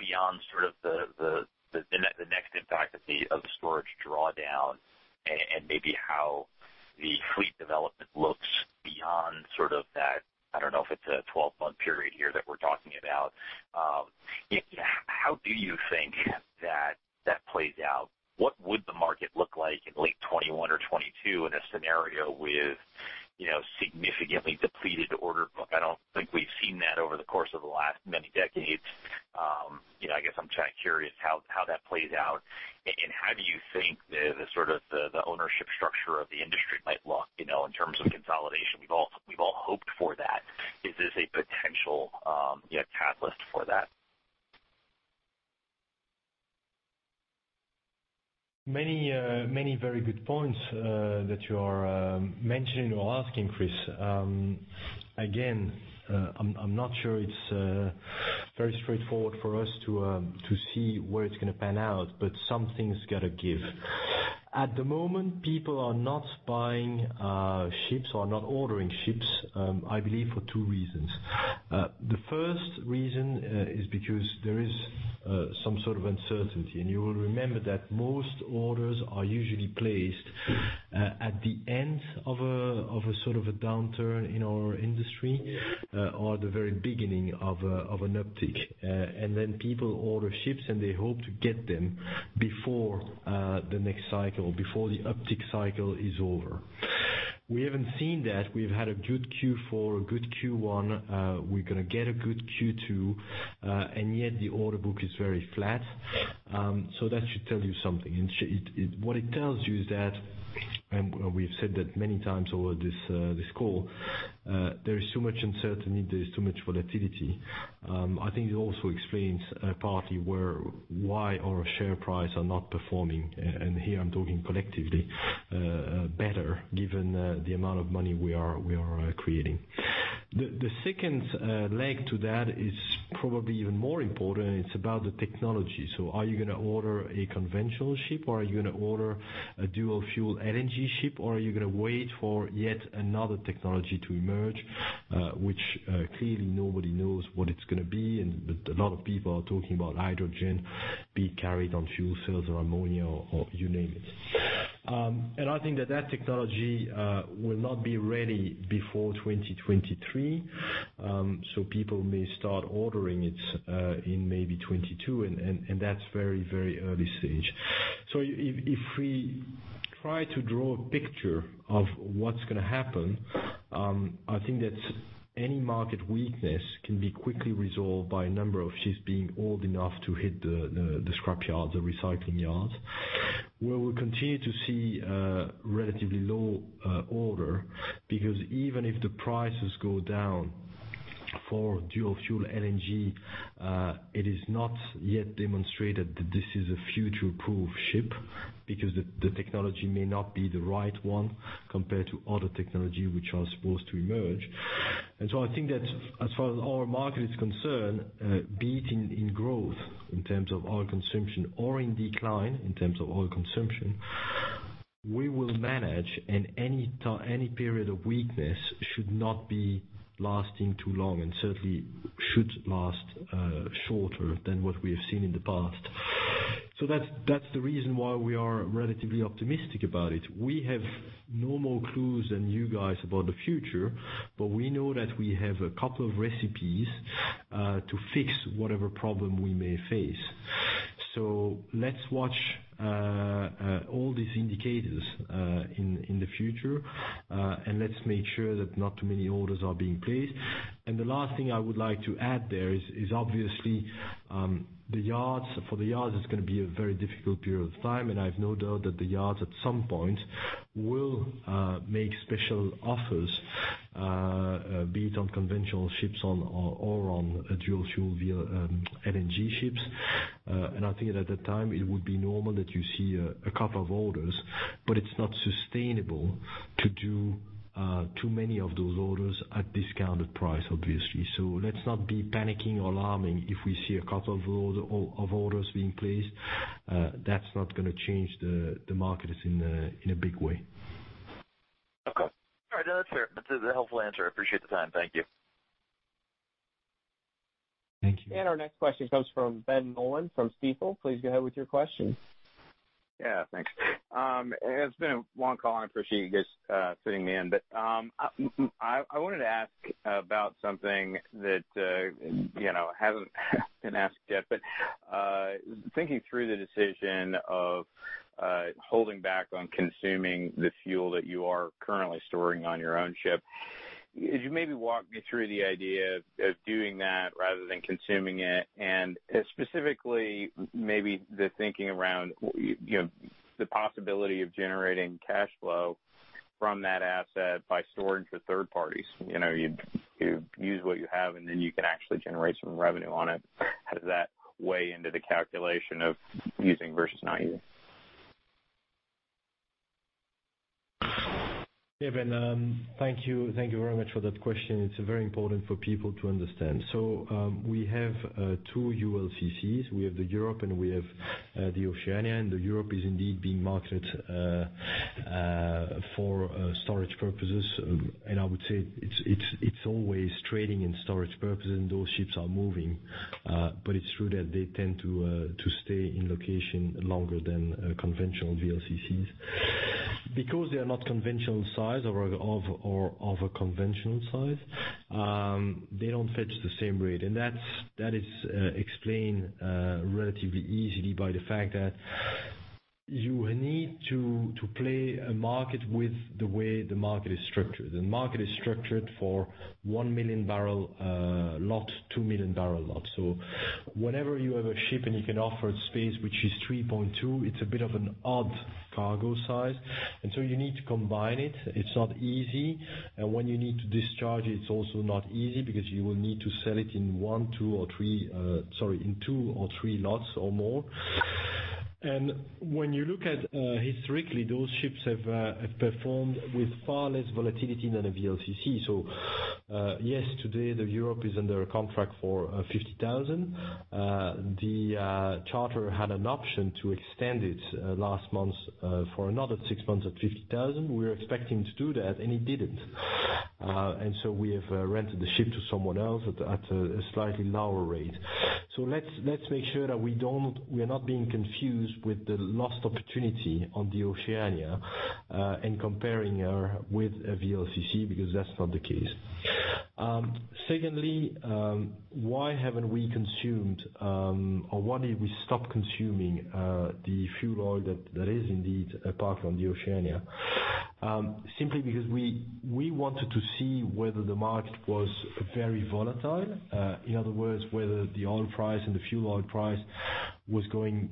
beyond sort of the next impact of the storage drawdown, and maybe how the fleet development looks beyond that, I don't know if it's a 12-month period here that we're talking about. How do you think that plays out? What would the market look like in late 2021 or 2022 in a scenario with significantly depleted order book? I don't think we've seen that over the course of the last many decades. I guess I'm curious how that plays out. How do you think the ownership structure of the industry might look in terms of consolidation? We've all hoped for that. Is this a potential catalyst for that? Many very good points that you are mentioning or asking, Chris. I'm not sure it's very straightforward for us to see where it's going to pan out, but something's got to give. At the moment, people are not buying ships or not ordering ships, I believe for two reasons. The first reason is because there is some sort of uncertainty. You will remember that most orders are usually placed at the end of a downturn in our industry, or the very beginning of an uptick. People order ships, and they hope to get them before the next cycle, before the uptick cycle is over. We haven't seen that. We've had a good Q4, a good Q1, we're going to get a good Q2, yet the order book is very flat. That should tell you something. What it tells you is that, and we've said that many times over this call, there is too much uncertainty, there is too much volatility. I think it also explains partly why our share price are not performing, and here I'm talking collectively, better given the amount of money we are creating. The second leg to that is probably even more important, it's about the technology. Are you going to order a conventional ship, or are you going to order a dual fuel LNG ship? Are you going to wait for yet another technology to emerge, which clearly nobody knows what it's going to be. A lot of people are talking about hydrogen being carried on fuel cells or ammonia, or you name it. I think that technology will not be ready before 2023. People may start ordering it in maybe 2022, and that's very early stage. If we try to draw a picture of what's going to happen, I think that any market weakness can be quickly resolved by a number of ships being old enough to hit the scrapyard, the recycling yard, where we'll continue to see a relatively low order. Even if the prices go down for dual fuel LNG, it is not yet demonstrated that this is a future-proof ship, because the technology may not be the right one compared to other technology which are supposed to emerge. I think that as far as our market is concerned, be it in growth in terms of oil consumption, or in decline in terms of oil consumption, we will manage, and any period of weakness should not be lasting too long, and certainly should last shorter than what we have seen in the past. That's the reason why we are relatively optimistic about it. We have no more clues than you guys about the future, but we know that we have a couple of recipes to fix whatever problem we may face. Let's watch all these indicators in the future, and let's make sure that not too many orders are being placed. The last thing I would like to add there is, obviously, for the yards, it's going to be a very difficult period of time, and I have no doubt that the yards at some point will make special offers, be it on conventional ships or on dual fuel LNG ships. I think at that time, it would be normal that you see a couple of orders. It's not sustainable to do too many of those orders at discounted price, obviously. Let's not be panicking or alarming if we see a couple of orders being placed. That's not going to change the markets in a big way. Okay. All right. No, that's fair. That's a helpful answer. I appreciate the time. Thank you. Thank you. Our next question comes from Ben Nolan from Stifel. Please go ahead with your question. Yeah, thanks. It's been a long call, and I appreciate you guys fitting me in. I wanted to ask about something that hasn't been asked yet. Thinking through the decision of holding back on consuming the fuel that you are currently storing on your own ship. Could you maybe walk me through the idea of doing that rather than consuming it? Specifically, maybe the thinking around the possibility of generating cash flow from that asset by storage for third parties. You use what you have, and then you can actually generate some revenue on it. How does that weigh into the calculation of using versus not using? Yeah, Ben, thank you very much for that question. It's very important for people to understand. We have 2 ULCCs. We have the Europe, and we have the Oceania. The Europe is indeed being marketed for storage purposes. I would say it's always trading in storage purposes and those ships are moving. It's true that they tend to stay in location longer than conventional VLCCs. They are not conventional size or of a conventional size, they don't fetch the same rate. That is explained relatively easily by the fact that you need to play a market with the way the market is structured. The market is structured for 1 million barrel lot, 2 million barrel lot. Whenever you have a ship and you can offer a space which is 3.2, it's a bit of an odd cargo size, you need to combine it. It's not easy. When you need to discharge it's also not easy because you will need to sell it in one, two, or three, sorry, in two or three lots or more. When you look at historically, those ships have performed with far less volatility than a VLCC. Yes, today, the Europe is under a contract for $50,000. The charter had an option to extend it last month for another six months at $50,000. We were expecting to do that, it didn't. We have rented the ship to someone else at a slightly lower rate. Let's make sure that we are not being confused with the lost opportunity on the Oceania, and comparing her with a VLCC, because that's not the case. Secondly, why haven't we consumed, or why did we stop consuming the fuel oil that is indeed apart from the Oceania? Simply because we wanted to see whether the market was very volatile. In other words, whether the oil price and the fuel oil price was going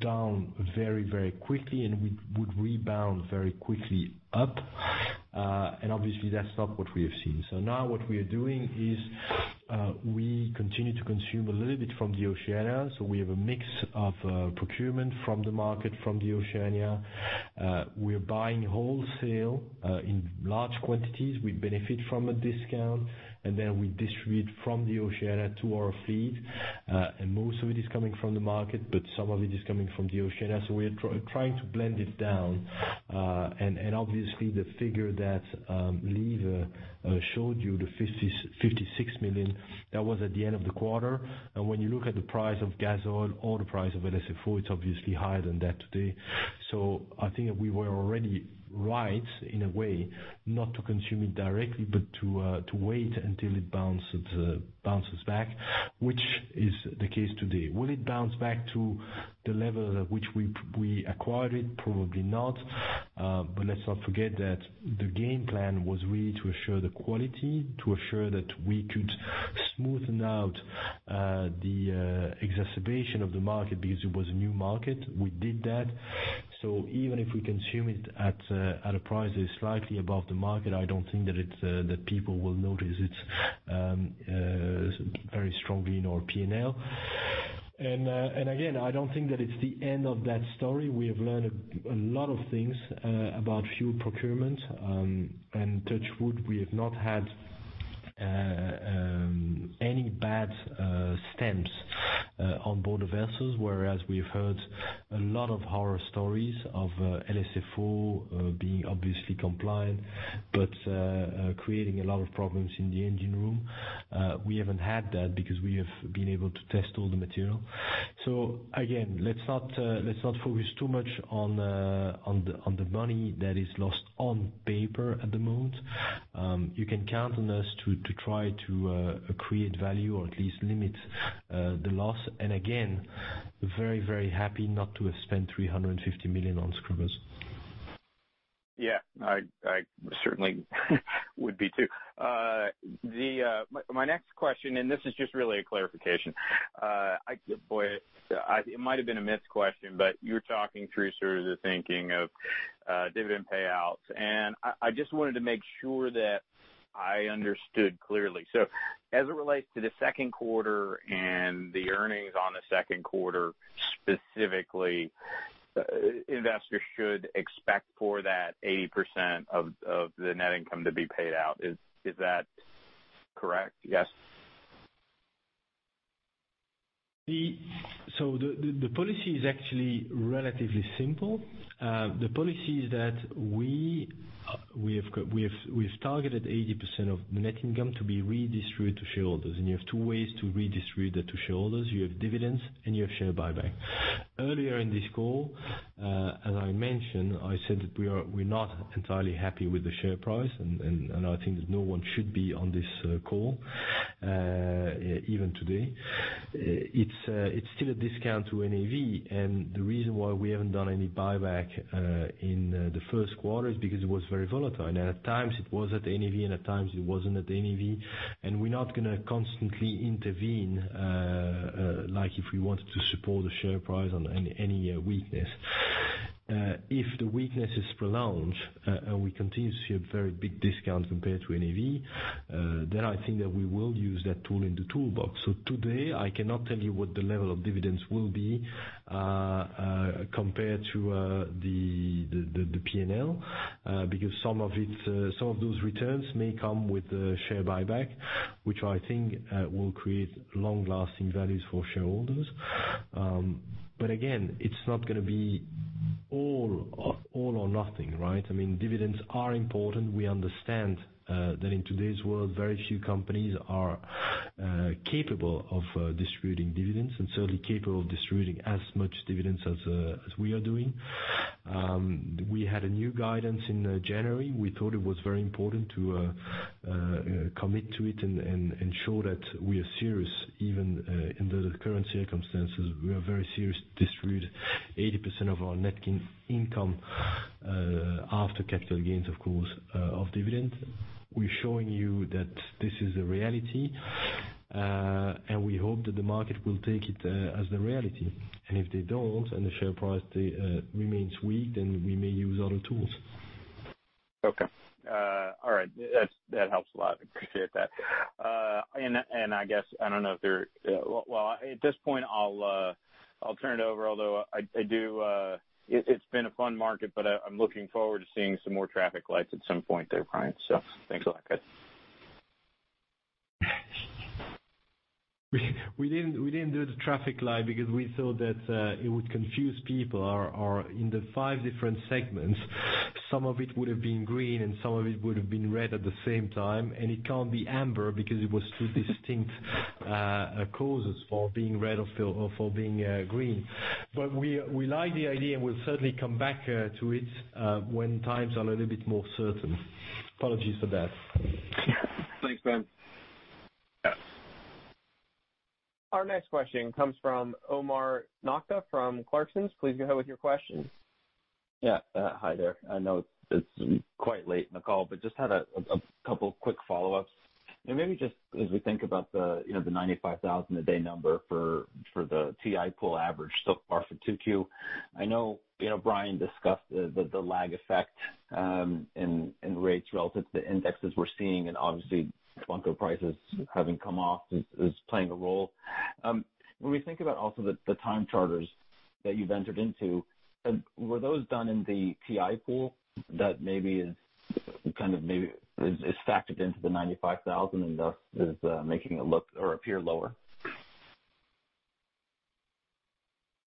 down very quickly, and would rebound very quickly up. Obviously, that's not what we have seen. Now what we are doing is, we continue to consume a little bit from the Oceania. We have a mix of procurement from the market, from the Oceania. We're buying wholesale, in large quantities. We benefit from a discount, and then we distribute from the Oceania to our fleet. Most of it is coming from the market, but some of it is coming from the Oceania, we are trying to blend it down. Obviously, the figure that Lieve showed you, the 56 million, that was at the end of the quarter. When you look at the price of gas oil or the price of LSFO, it's obviously higher than that today. I think that we were already right in a way, not to consume it directly, but to wait until it bounces back, which is the case today. Will it bounce back to the level at which we acquired it? Probably not. Let's not forget that the game plan was really to assure the quality, to assure that we could smoothen out the exacerbation of the market because it was a new market. We did that. Even if we consume it at a price that is slightly above the market, I don't think that people will notice it very strongly in our P&L. Again, I don't think that it's the end of that story. We have learned a lot of things about fuel procurement. Touch wood, we have not had any bad stems on board the vessels, whereas we've heard a lot of horror stories of LSFO being obviously compliant, but creating a lot of problems in the engine room. We haven't had that because we have been able to test all the material. Again, let's not focus too much on the money that is lost on paper at the moment. You can count on us to try to create value or at least limit the loss. Again, very happy not to have spent 350 million on scrubbers. Yeah. I certainly would be too. My next question, this is just really a clarification. It might have been a missed question, you were talking through sort of the thinking of dividend payouts, and I just wanted to make sure that I understood clearly. As it relates to the Q2 and the earnings on the Q2 specifically, investors should expect for that 80% of the net income to be paid out. Is that correct? Yes. The policy is actually relatively simple. The policy is that we have targeted 80% of the net income to be redistributed to shareholders. You have two ways to redistribute that to shareholders. You have dividends and you have share buyback. Earlier in this call, as I mentioned, I said that we're not entirely happy with the share price, and I think that no one should be on this call, even today. It's still a discount to NAV. The reason why we haven't done any buyback in the Q1 is because it was very volatile. At times it was at NAV, and at times it wasn't at NAV. We're not going to constantly intervene, like if we wanted to support the share price on any weakness. If the weakness is prolonged, and we continue to see a very big discount compared to NAV, then I think that we will use that tool in the toolbox. Today, I cannot tell you what the level of dividends will be compared to the P&L because some of those returns may come with the share buyback, which I think will create long-lasting values for shareholders. Again, it's not going to be all or nothing, right. Dividends are important. We understand that in today's world, very few companies are capable of distributing dividends, and certainly capable of distributing as much dividends as we are doing. We had a new guidance in January. We thought it was very important to commit to it and show that we are serious, even under the current circumstances. We are very serious to distribute 80% of our net income, after capital gains, of course, of dividend. We're showing you that this is a reality. We hope that the market will take it as the reality. If they don't, and the share price remains weak, we may use other tools. Okay. All right. That helps a lot. Appreciate that. I guess, I don't know if there. Well, at this point, I'll turn it over, although it's been a fun market, but I'm looking forward to seeing some more traffic lights at some point there, Brian. Thanks a lot, guys. We didn't do the traffic light because we thought that it would confuse people, or in the five different segments, some of it would have been green and some of it would have been red at the same time, and it can't be amber because it was two distinct causes for being red or for being green. We like the idea, and we'll certainly come back to it when times are a little bit more certain. Apologies for that. Thanks, man. Our next question comes from Omar Nokta from Clarksons. Please go ahead with your question. Yeah. Hi there. I know it's quite late in the call. Just had a couple of quick follow-ups. Maybe just as we think about the $95,000 a day number for the TI Pool average so far for 2Q. I know Brian discussed the lag effect in rates relative to indexes we're seeing. Obviously bunker prices having come off is playing a role. When we think about also the time charters that you've entered into, were those done in the TI Pool that maybe is factored into the $95,000 and thus is making it look or appear lower?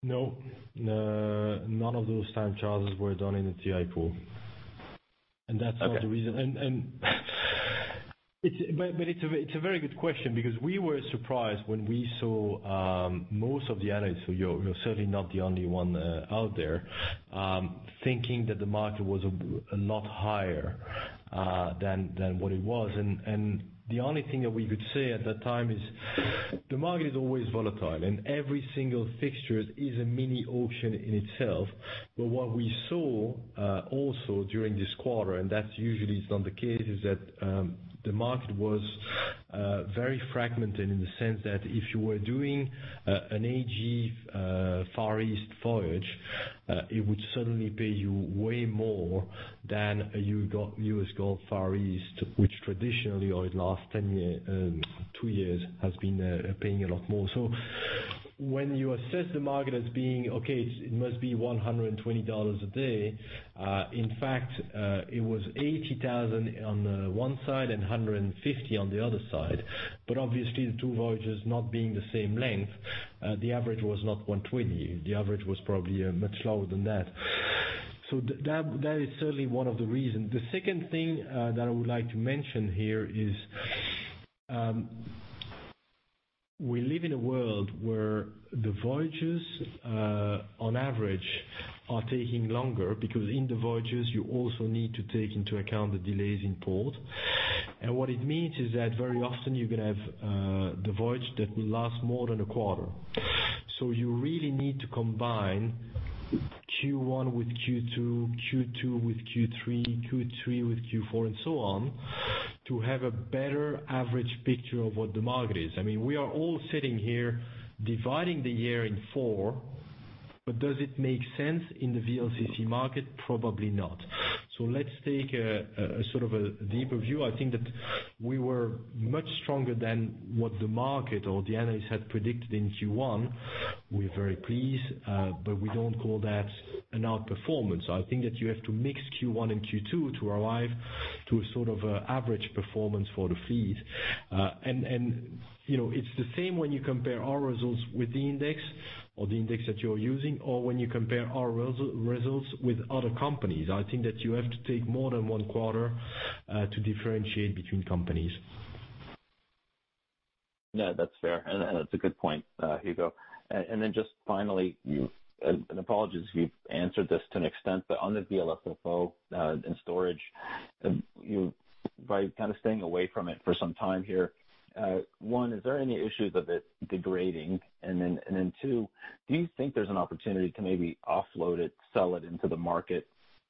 No, none of those time charters were done in the TI Pool. Okay. That's not the reason. It's a very good question because we were surprised when we saw most of the analysts, so you're certainly not the only one out there, thinking that the market was a lot higher than what it was. The only thing that we could say at that time is the market is always volatile, and every single fixture is a mini auction in itself. What we saw also during this quarter, and that's usually is not the case, is that the market was very fragmented in the sense that if you were doing an AG Far East voyage, it would certainly pay you way more than a U.S. Gulf Far East, which traditionally, or in the last two years, has been paying a lot more. When you assess the market as being, okay, it must be $120 a day, in fact, it was $80,000 on the one side and $150,000 on the other side. Obviously the two voyages not being the same length, the average was not $120, the average was probably much lower than that. The second thing that I would like to mention here is we live in a world where the voyages, on average, are taking longer because in the voyages, you also need to take into account the delays in port. What it means is that very often you could have the voyage that will last more than a quarter. You really need to combine Q1 with Q2 with Q3 with Q4, and so on, to have a better average picture of what the market is. We are all sitting here dividing the year in four. Does it make sense in the VLCC market? Probably not. Let's take a deeper view. I think that we were much stronger than what the market or the analysts had predicted in Q1. We're very pleased, but we don't call that an outperformance. I think that you have to mix Q1 and Q2 to arrive to a sort of average performance for the fleet. It's the same when you compare our results with the index or the index that you're using, or when you compare our results with other companies. I think that you have to take more than one quarter to differentiate between companies. That's fair, and that's a good point, Hugo. Just finally, apologies if you've answered this to an extent, on the VLSFO in storage, by kind of staying away from it for some time here, 1, is there any issues of it degrading? Two, do you think there's an opportunity to maybe offload it, sell it into the market,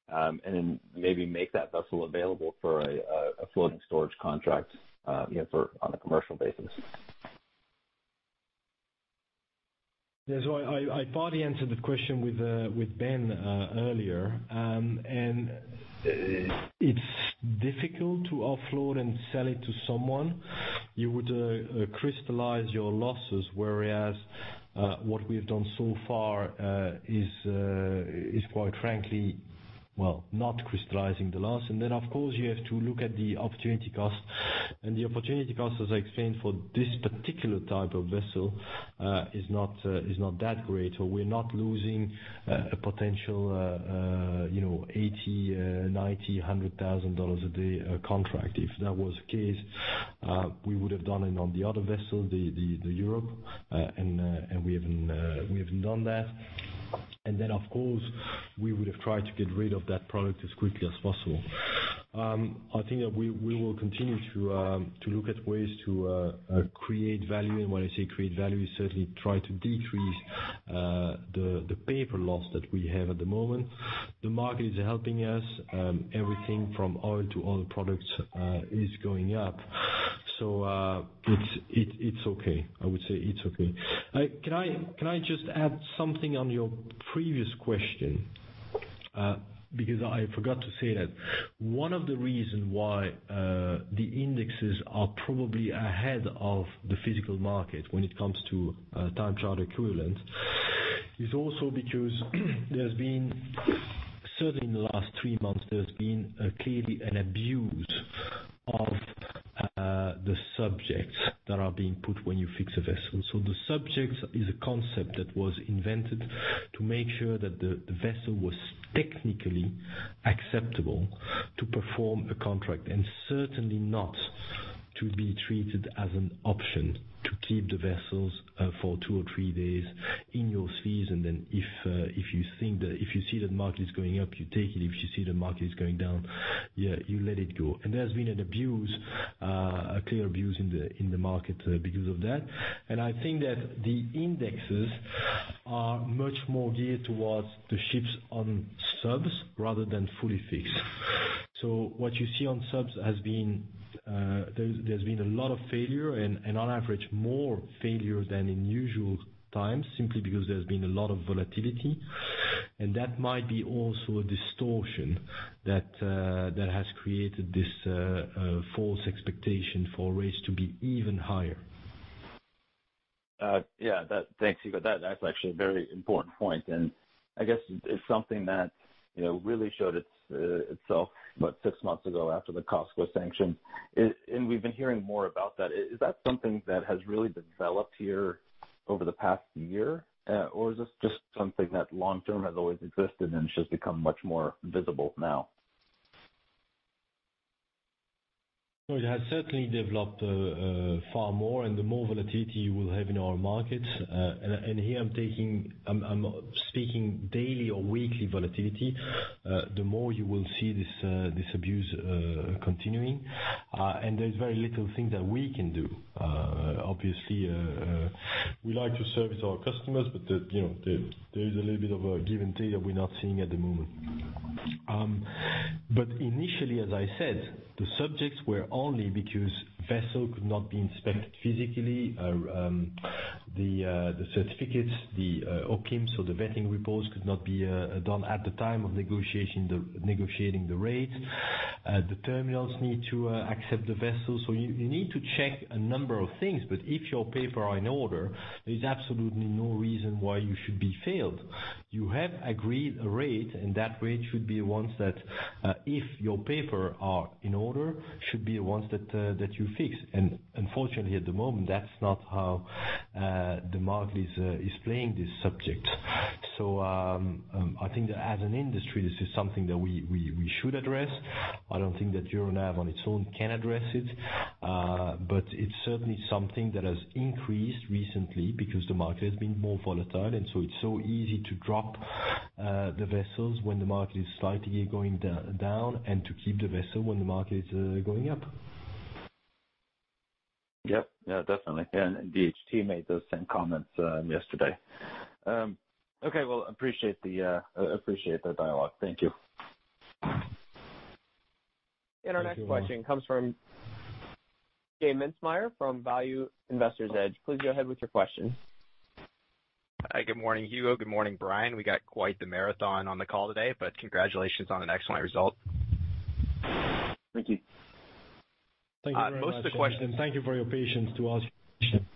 and then maybe make that vessel available for a floating storage contract on a commercial basis? Yes. I partly answered the question with Ben earlier. It's difficult to offload and sell it to someone. You would crystallize your losses, whereas what we have done so far is quite frankly, well, not crystallizing the loss. Of course, you have to look at the opportunity cost. The opportunity cost, as I explained, for this particular type of vessel, is not that great. We're not losing a potential $80,000, $90,000, $100,000 a day contract. If that was the case, we would have done it on the other vessel, the Europe, and we haven't done that. Of course, we would have tried to get rid of that product as quickly as possible. I think that we will continue to look at ways to create value. When I say create value, certainly try to decrease the paper loss that we have at the moment. The market is helping us. Everything from oil to oil products is going up. It's okay. I would say it's okay. Can I just add something on your previous question? I forgot to say that one of the reason why the indexes are probably ahead of the physical market when it comes to time charter equivalent, is also because there has been, certainly in the last three months, There has been clearly an abuse of the subjects that are being put when you fix a vessel. The subjects is a concept that was invented to make sure that the vessel was technically acceptable to perform a contract, and certainly not to be treated as an option to keep the vessels for two or three days in your fix. If you see that the market is going up, you take it. If you see the market is going down, you let it go. There's been an abuse, a clear abuse in the market because of that. I think that the indexes are much more geared towards the ships on subs rather than fully fixed. What you see on subs, there's been a lot of failure, and on average, more failure than in usual times, simply because there's been a lot of volatility. That might be also a distortion that has created this false expectation for rates to be even higher. Yeah. Thanks, Hugo. That's actually a very important point, and I guess it's something that really showed itself about six months ago after the COSCO sanctions. We've been hearing more about that. Is that something that has really developed here over the past year? Or is this just something that long-term has always existed and it's just become much more visible now? No, it has certainly developed far more. The more volatility you will have in our markets, and here I'm speaking daily or weekly volatility, the more you will see this abuse continuing. There's very little things that we can do. Obviously, we like to service our customers, but there is a little bit of a give and take that we're not seeing at the moment. Initially, as I said, the subjects were only because vessel could not be inspected physically. The certificates, the OPIM, so the vetting reports could not be done at the time of negotiating the rates. The terminals need to accept the vessel. You need to check a number of things, but if your paper are in order, there's absolutely no reason why you should be failed. You have agreed a rate, and that rate should be ones that, if your paper are in order, should be ones that you fix. Unfortunately, at the moment, that's not how the market is playing this subject. I think that as an industry, this is something that we should address. I don't think that Euronav on its own can address it. It's certainly something that has increased recently, because the market has been more volatile, and so it's so easy to drop the vessels when the market is slightly going down and to keep the vessel when the market is going up. Yep. Yeah, definitely. DHT made those same comments yesterday. Okay, well, appreciate the dialogue. Thank you. Our next question comes from J Mintzmyer from Value Investor's Edge. Please go ahead with your question. Hi, good morning, Hugo. Good morning, Brian. We got quite the marathon on the call today, but congratulations on an excellent result. Thank you. Thank you very much. Thank you for your patience to ask your question.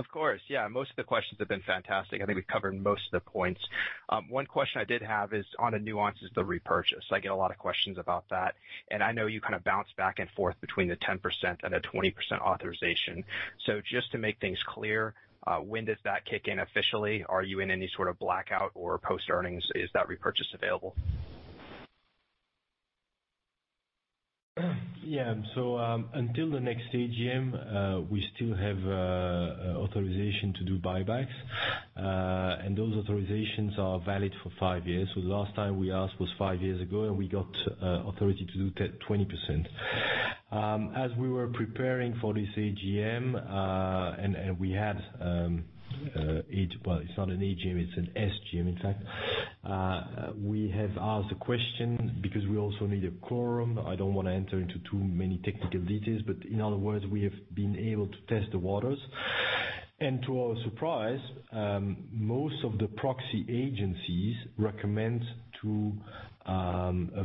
Of course. Yeah, most of the questions have been fantastic. I think we've covered most of the points. One question I did have is on a nuance is the repurchase. I get a lot of questions about that, and I know you kind of bounce back and forth between the 10% and the 20% authorization. Just to make things clear, when does that kick in officially? Are you in any sort of blackout or post earnings? Is that repurchase available? Until the next AGM, we still have authorization to do buybacks. Those authorizations are valid for five years. The last time we asked was five years ago, we got authority to do 20%. As we were preparing for this AGM, we had, it's not an AGM, it's an SGM, in fact. We have asked the question because we also need a quorum. I don't want to enter into too many technical details, in other words, we have been able to test the waters. To our surprise, most of the proxy agencies recommend to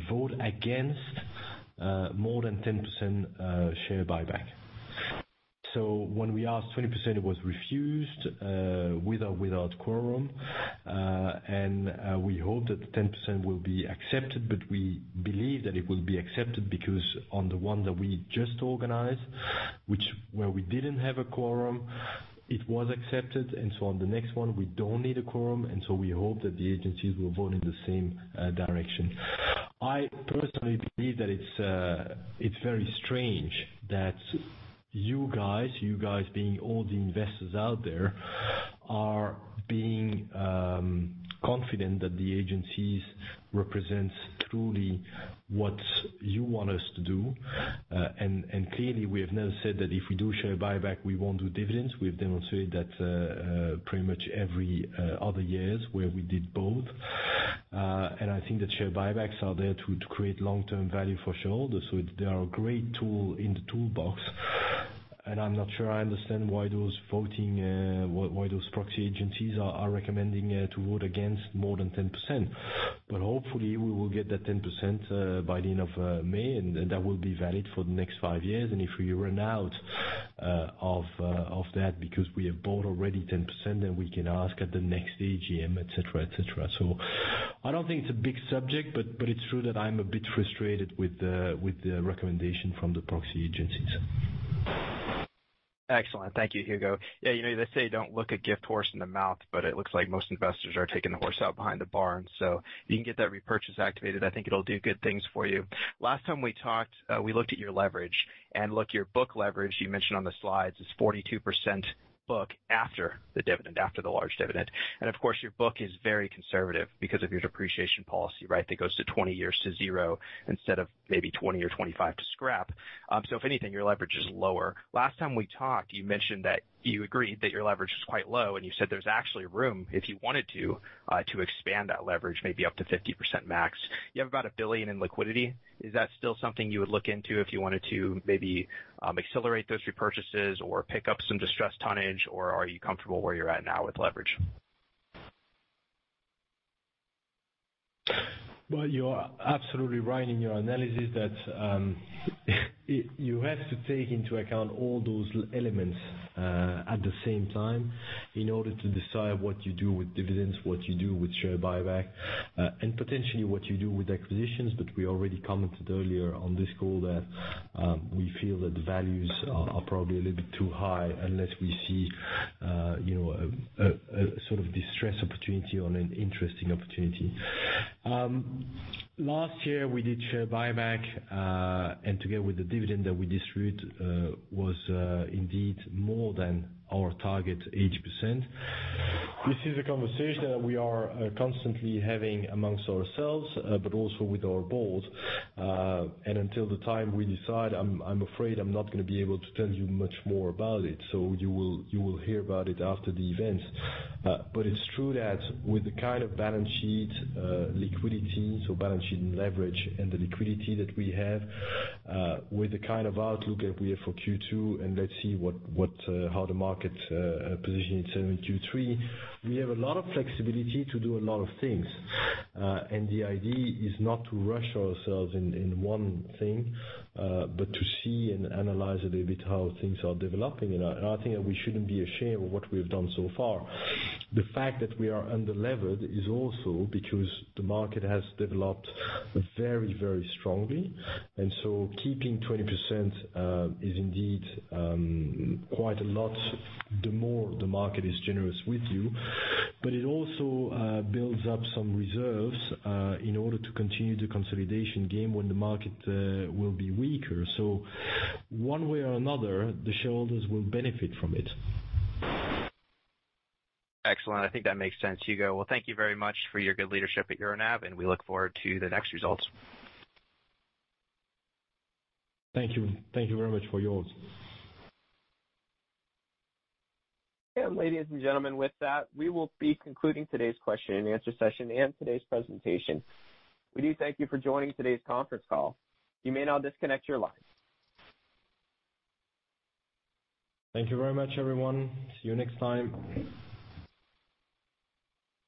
vote against more than 10% share buyback. When we asked 20%, it was refused with or without quorum. We hope that the 10% will be accepted, but we believe that it will be accepted because on the one that we just organized, where we didn't have a quorum, it was accepted. On the next one, we don't need a quorum, and so we hope that the agencies will vote in the same direction. I personally believe that it's very strange that you guys, you guys being all the investors out there, are being confident that the agencies represents truly what you want us to do. Clearly, we have never said that if we do share buyback, we won't do dividends. We've demonstrated that pretty much every other years where we did both. I think that share buybacks are there to create long-term value for shareholders. They are a great tool in the toolbox, and I'm not sure I understand why those proxy agencies are recommending to vote against more than 10%. Hopefully we will get that 10% by the end of May and that will be valid for the next five years. If we run out of that because we have bought already 10%, then we can ask at the next AGM, et cetera. I don't think it's a big subject, but it's true that I'm a bit frustrated with the recommendation from the proxy agencies. Excellent. Thank you, Hugo. Yeah, they say don't look a gift horse in the mouth, but it looks like most investors are taking the horse out behind the barn. If you can get that repurchase activated, I think it'll do good things for you. Last time we talked, we looked at your leverage. Look, your book leverage, you mentioned on the slides, is 42% book after the large dividend. Of course, your book is very conservative because of your depreciation policy, right? That goes to 20 years to zero instead of maybe 20 or 25 to scrap. If anything, your leverage is lower. Last time we talked, you mentioned that you agreed that your leverage was quite low, and you said there's actually room if you wanted to expand that leverage maybe up to 50% max. You have about $1 billion in liquidity. Is that still something you would look into if you wanted to maybe accelerate those repurchases or pick up some distressed tonnage, or are you comfortable where you're at now with leverage? Well, you are absolutely right in your analysis that you have to take into account all those elements at the same time in order to decide what you do with dividends, what you do with share buyback, and potentially what you do with acquisitions. We already commented earlier on this call that we feel that the values are probably a little bit too high unless we see a sort of distressed opportunity or an interesting opportunity. Last year we did share buyback, and together with the dividend that we distributed, was indeed more than our target, 8%. This is a conversation that we are constantly having amongst ourselves, but also with our board. Until the time we decide, I'm afraid I'm not going to be able to tell you much more about it. You will hear about it after the event. It's true that with the kind of balance sheet liquidity, so balance sheet and leverage and the liquidity that we have, with the kind of outlook that we have for Q2, and let's see how the market positions in Q3, we have a lot of flexibility to do a lot of things. The idea is not to rush ourselves in one thing, but to see and analyze a little bit how things are developing. I think that we shouldn't be ashamed of what we have done so far. The fact that we are under-levered is also because the market has developed very strongly. Keeping 20% is indeed quite a lot the more the market is generous with you. It also builds up some reserves in order to continue the consolidation game when the market will be weaker. One way or another, the shareholders will benefit from it. Excellent. I think that makes sense, Hugo. Well, thank you very much for your good leadership at Euronav, and we look forward to the next results. Thank you. Thank you very much for yours. Ladies and gentlemen, with that, we will be concluding today's question and answer session and today's presentation. We do thank you for joining today's conference call. You may now disconnect your line. Thank you very much, everyone. See you next time.